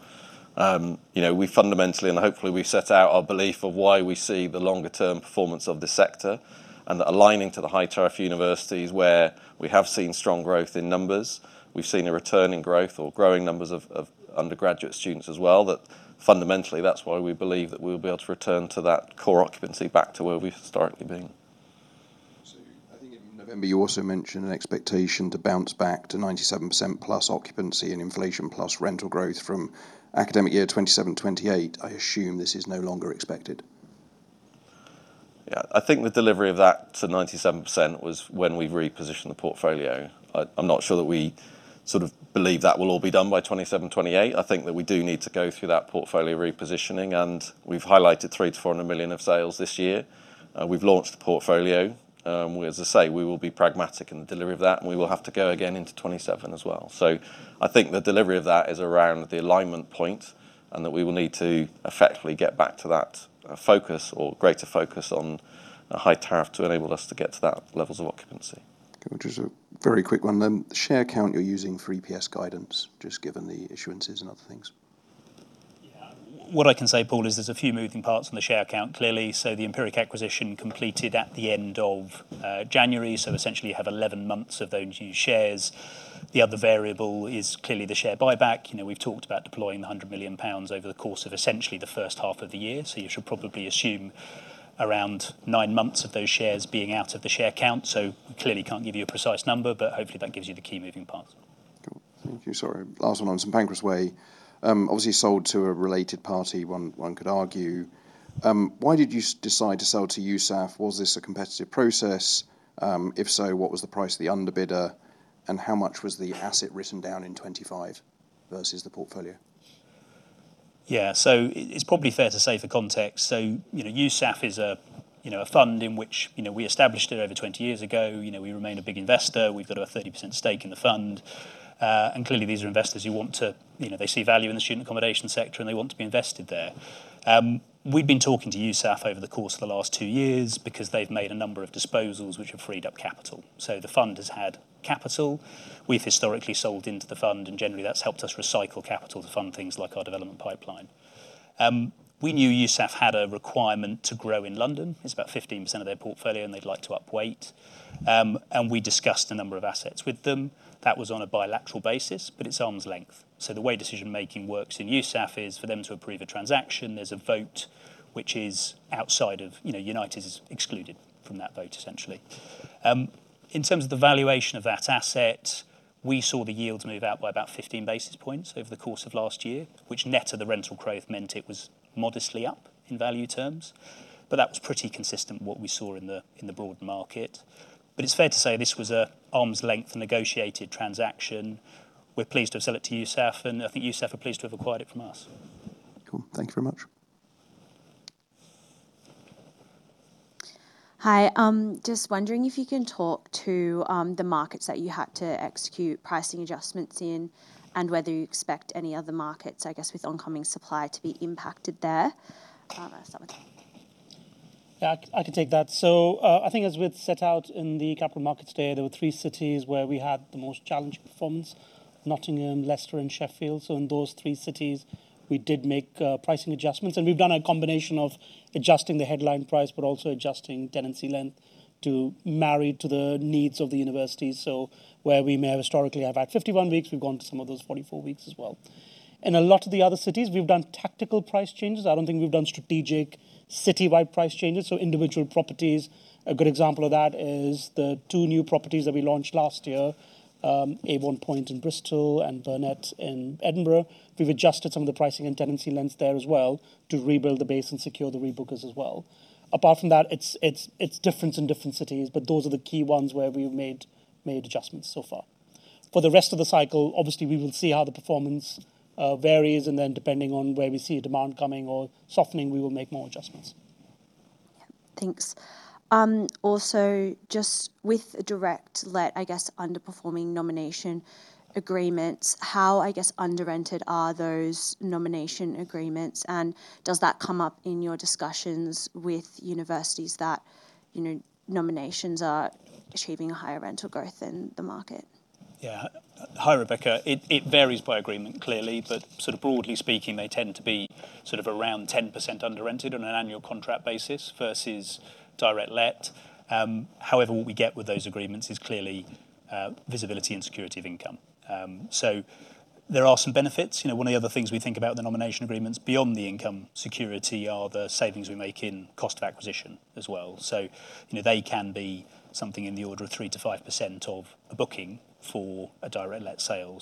You know, we fundamentally, and hopefully we've set out our belief of why we see the longer term performance of this sector, and that aligning to the high-tariff universities where we have seen strong growth in numbers. We've seen a return in growth or growing numbers of undergraduate students as well, that fundamentally, that's why we believe that we'll be able to return to that core occupancy back to where we've historically been. I think in November, you also mentioned an expectation to bounce back to 97%+ occupancy and inflation plus rental growth from academic year 2027, 2028. I assume this is no longer expected. Yeah. I think the delivery of that to 97% was when we repositioned the portfolio. I'm not sure that we sort of believe that will all be done by 2027, 2028. I think that we do need to go through that portfolio repositioning, and we've highlighted 300 million-400 million of sales this year. We've launched the portfolio. As I say, we will be pragmatic in the delivery of that, and we will have to go again into 2027 as well. I think the delivery of that is around the alignment point and that we will need to effectively get back to that focus or greater focus on a high-tariff to enable us to get to that levels of occupancy. Okay, just a very quick one then. The share count you're using for EPS guidance, just given the issuances and other things. Yeah. What I can say, Paul, is there's a few moving parts on the share count, clearly. The Empiric acquisition completed at the end of January, so essentially you have 11 months of those new shares. The other variable is clearly the share buyback. You know, we've talked about deploying 100 million pounds over the course of essentially the first half of the year, so you should probably assume around nine months of those shares being out of the share count. Clearly can't give you a precise number, but hopefully that gives you the key moving parts. Thank you. Sorry. Last one on St Pancras Way. Obviously, you sold to a related party, one could argue. Why did you decide to sell to USAF? Was this a competitive process? If so, what was the price of the underbidder, and how much was the asset written down in 2025 versus the portfolio? Yeah. It's probably fair to say for context, you know, USAF is a, you know, a fund in which, you know, we established it over 20 years ago. You know, we remain a big investor. We've got about a 30% stake in the fund. Clearly, these are investors who want to. You know, they see value in the student accommodation sector, and they want to be invested there. We've been talking to USAF over the course of the last two years because they've made a number of disposals, which have freed up capital. The fund has had capital. We've historically sold into the fund, and generally, that's helped us recycle capital to fund things like our development pipeline. We knew USAF had a requirement to grow in London. It's about 15% of their portfolio, and they'd like to upweight. We discussed a number of assets with them. That was on a bilateral basis, it's arm's length. The way decision-making works in USSAF is for them to approve a transaction, there's a vote, which is outside of. You know, Unite is excluded from that vote, essentially. In terms of the valuation of that asset, we saw the yields move out by about 15 basis points over the course of last year, which net of the rental growth, meant it was modestly up in value terms, but that was pretty consistent with what we saw in the, in the broad market. It's fair to say this was a arm's length negotiated transaction. We're pleased to have sell it to USSAF, and I think USSAF are pleased to have acquired it from us. Cool. Thank you very much. Hi. Just wondering if you can talk to the markets that you had to execute pricing adjustments in and whether you expect any other markets, I guess, with oncoming supply to be impacted there? Yeah, I can take that. I think as we'd set out in the capital markets today, there were three cities where we had the most challenging performance: Nottingham, Leicester, and Sheffield. In those three cities, we did make pricing adjustments, and we've done a combination of adjusting the headline price but also adjusting tenancy length to marry to the needs of the university. Where we may have historically have had 51 weeks, we've gone to some of those 44 weeks as well. In a lot of the other cities, we've done tactical price changes. I don't think we've done strategic citywide price changes, so individual properties. A good example of that is the two new properties that we launched last year, Avon Point in Bristol and Burnet Point in Edinburgh. We've adjusted some of the pricing and tenancy lengths there as well to rebuild the base and secure the rebookers as well. Apart from that, it's different in different cities, but those are the key ones where we've made adjustments so far. For the rest of the cycle, obviously, we will see how the performance varies, and then, depending on where we see demand coming or softening, we will make more adjustments. Yeah. Thanks. Just with direct let, I guess, underperforming nomination agreements, how, I guess, under-rented are those nomination agreements, and does that come up in your discussions with universities that, you know, nominations are achieving a higher rental growth in the market? Yeah. Hi, Rebecca. It varies by agreement, clearly, but sort of broadly speaking, they tend to be sort of around 10% under-rented on an annual contract basis versus direct let. However, what we get with those agreements is clearly visibility and security of income. There are some benefits. You know, one of the other things we think about the nomination agreements beyond the income security are the savings we make in cost of acquisition as well. You know, they can be something in the order of 3%-5% of a booking for a direct let sale.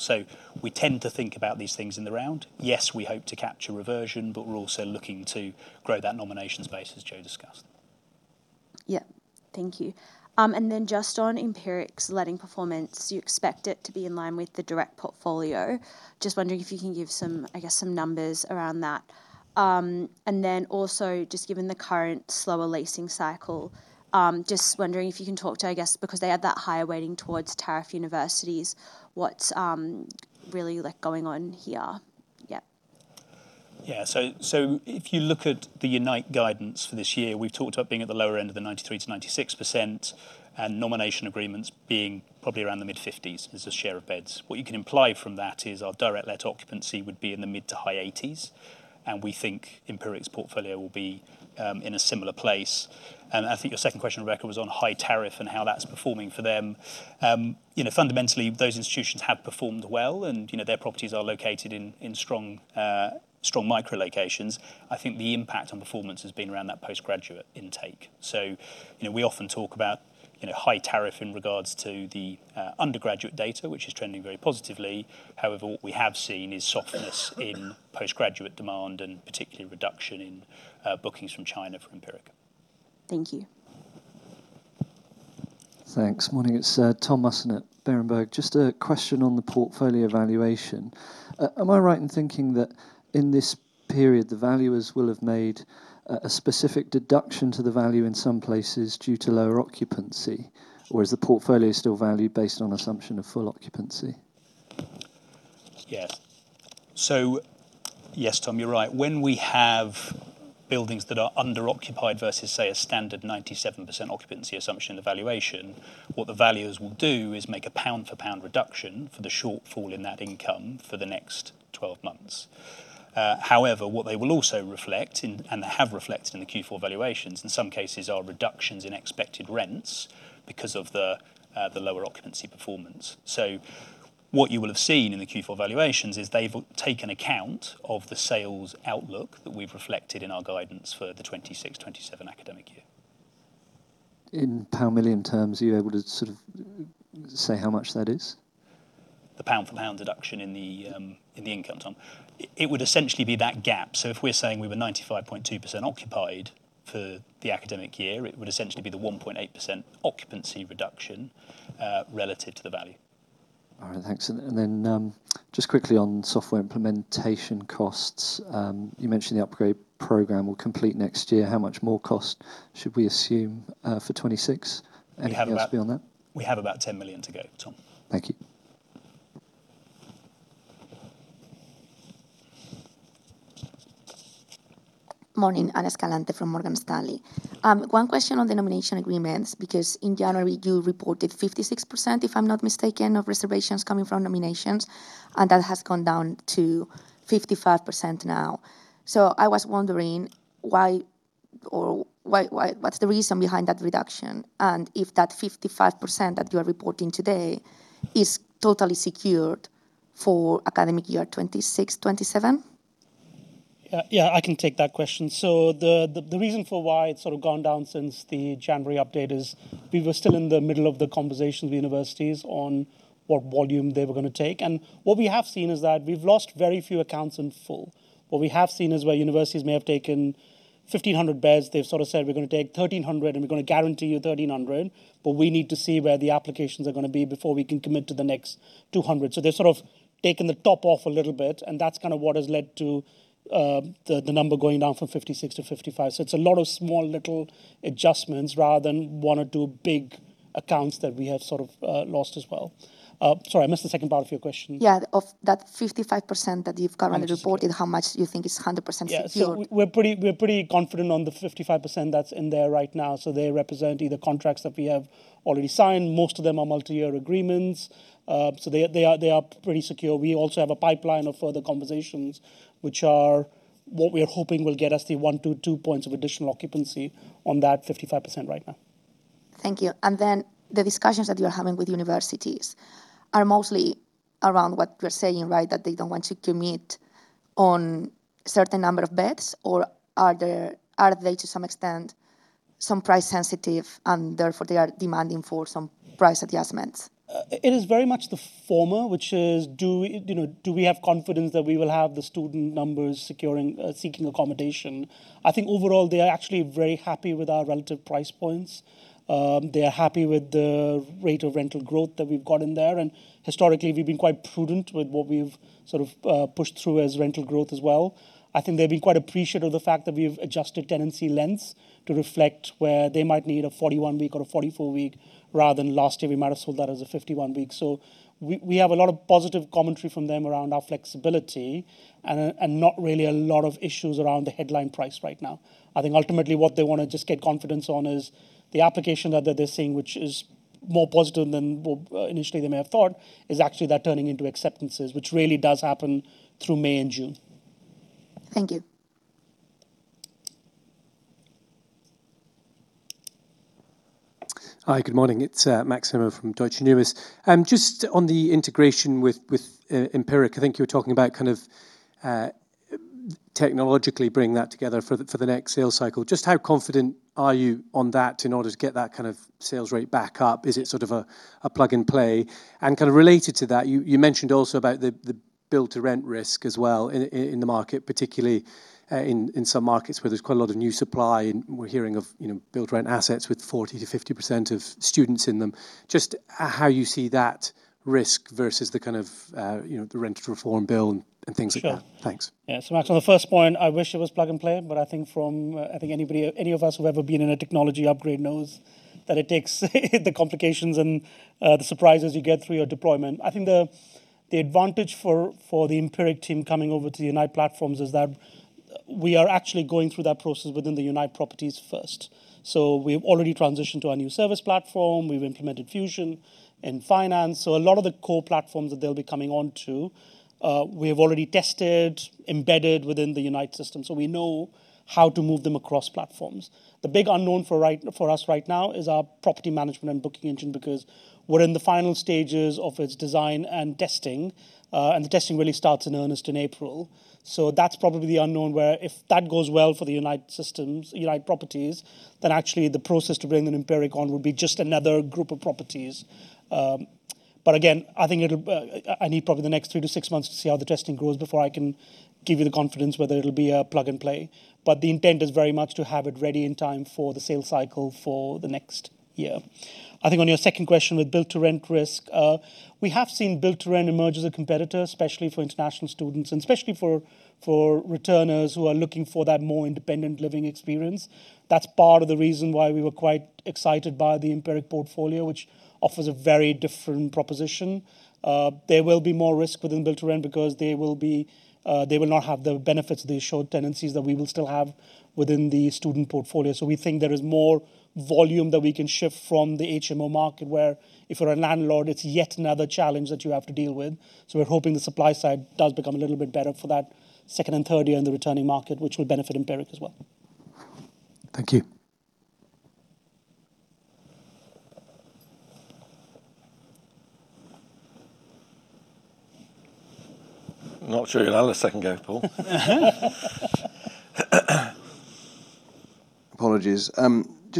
We tend to think about these things in the round. Yes, we hope to capture reversion, but we're also looking to grow that nominations base, as Joe discussed. Yeah. Thank you. Just on Empiric's letting performance, you expect it to be in line with the direct portfolio. Just wondering if you can give some, I guess, some numbers around that. Also, just given the current slower leasing cycle, just wondering if you can talk to, I guess, because they had that higher weighting towards high-tariff universities, what's really, like, going on here? Yeah. If you look at the Unite guidance for this year, we've talked about being at the lower end of the 93%-96%, and nomination agreements being probably around the mid-50s as a share of beds. What you can imply from that is our direct let occupancy would be in the mid to high 80s, and we think Empiric's portfolio will be in a similar place. I think your second question, Rebecca, was on high tariff and how that's performing for them. You know, fundamentally, those institutions have performed well, and, you know, their properties are located in strong micro locations. I think the impact on performance has been around that postgraduate intake. You know, we often talk about, you know, high tariff in regards to the undergraduate data, which is trending very positively. However, what we have seen is softness in postgraduate demand, and particularly reduction in bookings from China, from Empiric. Thank you. Thanks. Morning, it's Tom Musson at Berenberg. Just a question on the portfolio valuation. Am I right in thinking that in this period, the valuers will have made a specific deduction to the value in some places due to lower occupancy, or is the portfolio still valued based on assumption of full occupancy? Yes, Tom, you're right. When we have buildings that are underoccupied versus, say, a standard 97% occupancy assumption evaluation, what the valuers will do is make a pound-for-pound reduction for the shortfall in that income for the next 12 months. However, what they will also reflect and they have reflected in the Q4 valuations, in some cases, are reductions in expected rents because of the lower occupancy performance. What you will have seen in the Q4 valuations is they've taken account of the sales outlook that we've reflected in our guidance for the 2026-2027 academic year. In pound million terms, are you able to sort of say how much that is? The pound for pound deduction in the, in the income, Tom? It would essentially be that gap. If we're saying we were 95.2% occupied for the academic year, it would essentially be the 1.8% occupancy reduction, relative to the value. All right, thanks. Just quickly on software implementation costs, you mentioned the upgrade program will complete next year. How much more cost should we assume for 2026? Anything else beyond that? We have about 10 million to go, Tom. Thank you. Morning, Ana Escalante from Morgan Stanley. One question on the nominations agreements, because in January, you reported 56%, if I'm not mistaken, of reservations coming from nominations, and that has gone down to 55% now. I was wondering what's the reason behind that reduction, and if that 55% that you are reporting today is totally secured for academic year 2026, 2027? Yeah, I can take that question. The reason for why it's sort of gone down since the January update is we were still in the middle of the conversations with universities on what volume they were gonna take. What we have seen is that we've lost very few accounts in full. What we have seen is where universities may have taken 1,500 beds, they've sort of said, "We're gonna take 1,300, and we're gonna guarantee you 1,300, but we need to see where the applications are gonna be before we can commit to the next 200." They've sort of taken the top off a little bit, and that's kinda what has led to the number going down from 56% to 55%. It's a lot of small, little adjustments rather than one or two big accounts that we have sort of lost as well. Sorry, I missed the second part of your question. Yeah, of that 55% that you've currently reported... Understood how much do you think is 100% secured? We're pretty confident on the 55% that's in there right now. They represent either contracts that we have already signed. Most of them are multi-year agreements. They are pretty secure. We also have a pipeline of further conversations, which are what we're hoping will get us the 1 to 2 points of additional occupancy on that 55% right now. Thank you. Then, the discussions that you're having with universities are mostly around what you're saying, right? That they don't want to commit on certain number of beds, or are they, to some extent, some price sensitive, and therefore, they are demanding for some price adjustments? It is very much the former, which is, do you know, do we have confidence that we will have the student numbers securing, seeking accommodation? I think overall, they are actually very happy with our relative price points. They are happy with the rate of rental growth that we've got in there, and historically, we've been quite prudent with what we've sort of pushed through as rental growth as well. I think they've been quite appreciative of the fact that we've adjusted tenancy lengths to reflect where they might need a 41-week or a 44-week, rather than last year, we might have sold that as a 51-week. We, we have a lot of positive commentary from them around our flexibility and not really a lot of issues around the headline price right now. I think ultimately, what they wanna just get confidence on is the application that they're seeing, which is more positive than what initially they may have thought, is actually that turning into acceptances, which really does happen through May and June. Thank you. Hi, good morning. It's Max Zimmer from Deutsche Numis. Just on the integration with Empiric Student Property, I think you were talking about kind of technologically bringing that together for the next sales cycle. Just how confident are you on that in order to get that kind of sales rate back up? Is it sort of a, a plug-and-play? Kinda related to that, you mentioned also about the Build-to-Rent risk as well in the market, particularly in some markets where there's quite a lot of new supply, and we're hearing of, you know, Build-to-Rent assets with 40%-50% of students in them. Just how you see that risk versus the kind of, you know, the rent reform bill and things like that. Sure. Thanks. Max, on the first point, I wish it was plug and play, but I think any of us who have ever been in a technology upgrade knows that it takes the complications and the surprises you get through your deployment. I think the advantage for the Empiric team coming over to the Unite platforms is that we are actually going through that process within the Unite Properties first. We've already transitioned to our new service platform. We've implemented Fusion and Finance. A lot of the core platforms that they'll be coming onto, we have already tested, embedded within the Unite system, so we know how to move them across platforms. The big unknown for us right now is our property management and booking engine, because we're in the final stages of its design and testing, and the testing really starts in earnest in April. That's probably the unknown, where if that goes well for the Unite Students, Unite Properties, then actually the process to bring the Empiric on would be just another group of properties. Again, I think it'll. I need probably the next three to six months to see how the testing goes before I can give you the confidence whether it'll be a plug and play. The intent is very much to have it ready in time for the sales cycle for the next year. I think on your second question with Build-to-Rent risk, we have seen Build-to-Rent emerge as a competitor, especially for international students, and especially for returners who are looking for that more independent living experience. That's part of the reason why we were quite excited by the Empiric portfolio, which offers a very different proposition. There will be more risk within Build-to-Rent because they will be, they will not have the benefits of the assured tenancies that we will still have within the student portfolio. We think there is more volume that we can shift from the HMO market, where if you're a landlord, it's yet another challenge that you have to deal with. We're hoping the supply side does become a little bit better for that second and third year in the returning market, which will benefit Empiric as well. Thank you. Not sure you'll allow a second go, Paul. Apologies. Just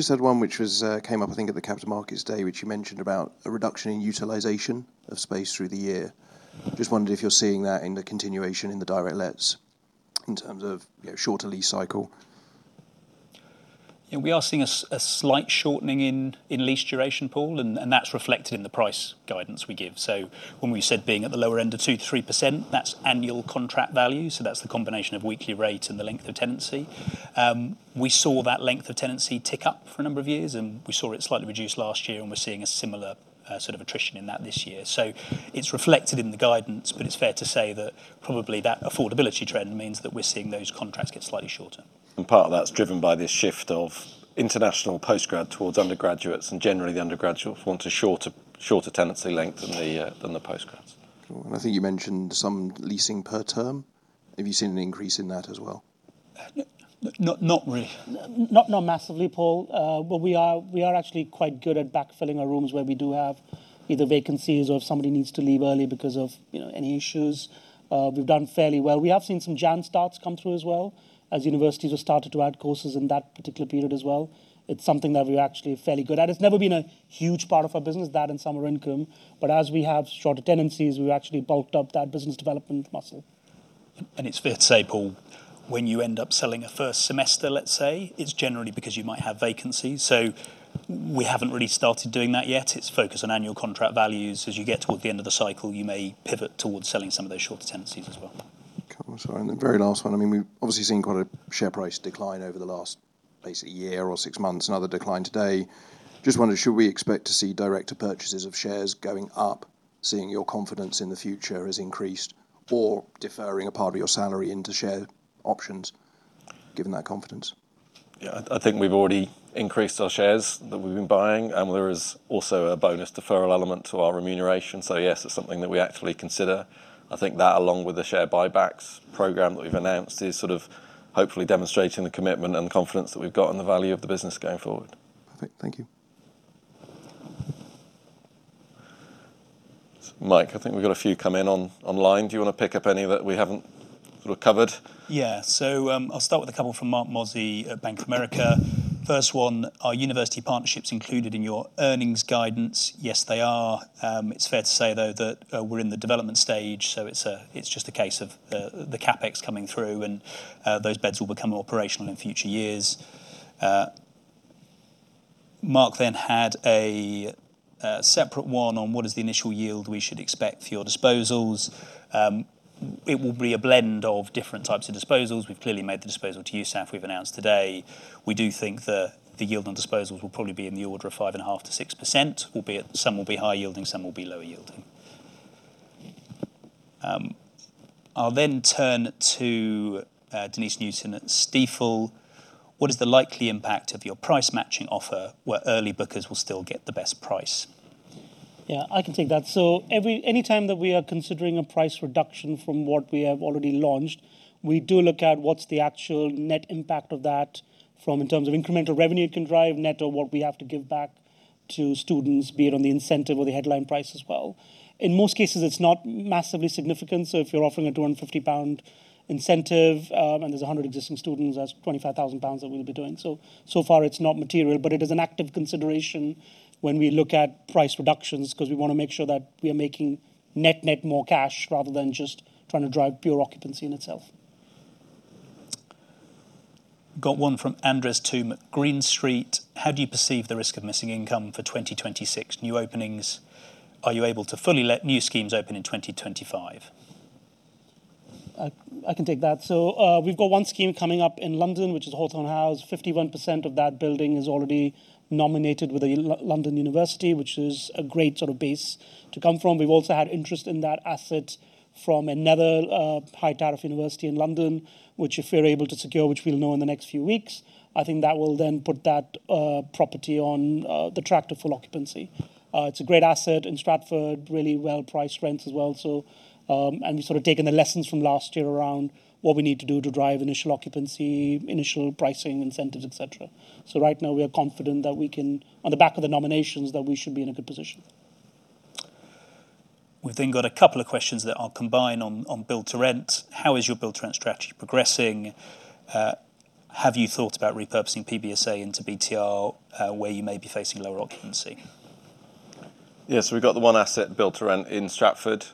had one which was came up, I think, at the Capital Markets Day, which you mentioned about a reduction in utilization of space through the year. Just wondered if you're seeing that in the continuation in the direct lets in terms of, you know, shorter lease cycle? Yeah, we are seeing a slight shortening in lease duration, Paul, and that's reflected in the price guidance we give. When we said being at the lower end of 2%-3%, that's annual contract value, that's the combination of weekly rate and the length of tenancy. We saw that length of tenancy tick up for a number of years, we saw it slightly reduce last year, we're seeing a similar sort of attrition in that this year. It's reflected in the guidance, it's fair to say that probably that affordability trend means that we're seeing those contracts get slightly shorter. Part of that's driven by this shift of international postgrad towards undergraduates, and generally, the undergraduates want a shorter tenancy length than the postgrads. I think you mentioned some leasing per term. Have you seen an increase in that as well? Not really. Not massively, Paul. But we are actually quite good at backfilling our rooms where we do have either vacancies or if somebody needs to leave early because of, you know, any issues. We've done fairly well. We have seen some January starts come through as well, as universities have started to add courses in that particular period as well. It's something that we're actually fairly good at. It's never been a huge part of our business, that and summer income, but as we have shorter tenancies, we've actually bulked up that business development muscle. It's fair to say, Paul, when you end up selling a first semester, let's say, it's generally because you might have vacancies. We haven't really started doing that yet. It's focused on annual contract values. As you get toward the end of the cycle, you may pivot towards selling some of those shorter tenancies as well. Okay, I'm sorry. The very last one, I mean, we've obviously seen quite a share price decline over the last, basically, year or six months, another decline today. Just wondering, should we expect to see director purchases of shares going up, seeing your confidence in the future has increased, or deferring a part of your salary into share options, given that confidence? Yeah, I think we've already increased our shares that we've been buying, and there is also a bonus deferral element to our remuneration. Yes, it's something that we actually consider. I think that, along with the share buybacks program that we've announced, is sort of hopefully demonstrating the commitment and confidence that we've got in the value of the business going forward. Perfect. Thank you. Mike, I think we've got a few come in online. Do you wanna pick up any that we haven't sort of covered? I'll start with a couple from Marc Mozzi at Bank of America. First one, are university partnerships included in your earnings guidance? Yes, they are. It's fair to say, though, that we're in the development stage, it's just a case of the CapEx coming through, and those beds will become operational in future years. Marc had a separate one on: What is the initial yield we should expect for your disposals? It will be a blend of different types of disposals. We've clearly made the disposal to USAF, we've announced today. We do think the yield on disposals will probably be in the order of 5.5%-6%, albeit some will be higher yielding, some will be lower yielding. I'll turn to Denise Newman at Stifel: What is the likely impact of your price-matching offer, where early bookers will still get the best price? Yeah, I can take that. Anytime that we are considering a price reduction from what we have already launched, we do look at what's the actual net impact of that from in terms of incremental revenue it can drive, net of what we have to give back to students, be it on the incentive or the headline price as well. In most cases, it's not massively significant, so if you're offering a GBP 250 incentive, and there's 100 existing students, that's 25,000 pounds that we'll be doing. So far it's not material, but it is an active consideration when we look at price reductions, 'cause we wanna make sure that we are making net, net more cash rather than just trying to drive pure occupancy in itself. Got one from Andres Toome, Green Street: How do you perceive the risk of missing income for 2026? New openings, are you able to fully let new schemes open in 2025? I can take that. We've got one scheme coming up in London, which is Hawthorne House. 51% of that building is already nominated with a London university, which is a great sort of base to come from. We've also had interest in that asset from another high-tariff university in London, which, if we're able to secure, which we'll know in the next few weeks, I think that will then put that property on the track to full occupancy. It's a great asset in Stratford, really well-priced rents as well, and we've sort of taken the lessons from last year around what we need to do to drive initial occupancy, initial pricing, incentives, et cetera. Right now, we are confident that we can, on the back of the nominations, that we should be in a good position. We've got a couple of questions that I'll combine on, on Build-to-Rent. How is your Build-to-Rent strategy progressing? Have you thought about repurposing PBSA into BTR, where you may be facing lower occupancy? Yes, we've got the one asset Build-to-Rent in Stratford.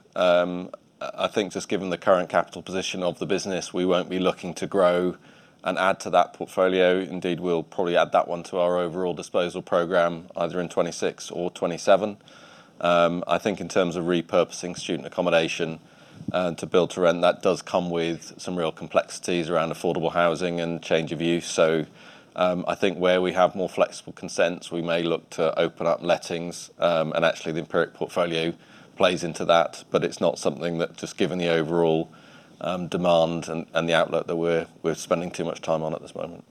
I think just given the current capital position of the business, we won't be looking to grow and add to that portfolio. Indeed, we'll probably add that one to our overall disposal program, either in 2026 or 2027. I think in terms of repurposing student accommodation to Build-to-Rent, that does come with some real complexities around affordable housing and change of use. I think where we have more flexible consents, we may look to open up lettings, and actually, the Empiric portfolio plays into that. It's not something that, just given the overall demand and the outlet, that we're, we're spending too much time on at this moment.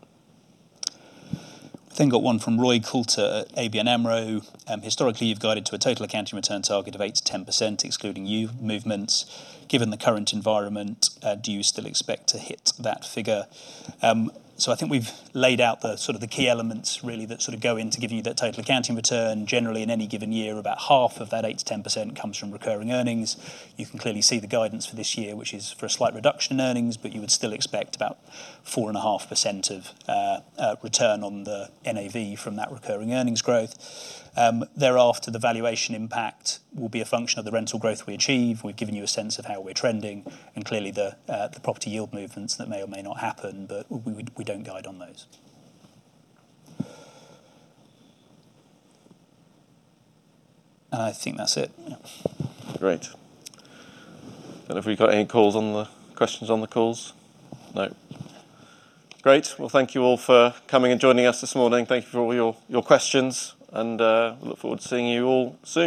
I think I got one from Roy Coulter at ABN AMRO. Historically, you've guided to a total accounting return target of 8%-10%, excluding you movements. Given the current environment, do you still expect to hit that figure? I think we've laid out the sort of the key elements really that sort of go in to give you that total accounting return. Generally, in any given year, about half of that 8%-10% comes from recurring earnings. You can clearly see the guidance for this year, which is for a slight reduction in earnings, but you would still expect about 4.5% of return on the NAV from that recurring earnings growth. Thereafter, the valuation impact will be a function of the rental growth we achieve. We've given you a sense of how we're trending, clearly, the property yield movements that may or may not happen, but we don't guide on those. I think that's it. Yeah. Great. Have we got any questions on the calls? No. Great. Well, thank you all for coming and joining us this morning. Thank you for all your questions, and we look forward to seeing you all soon.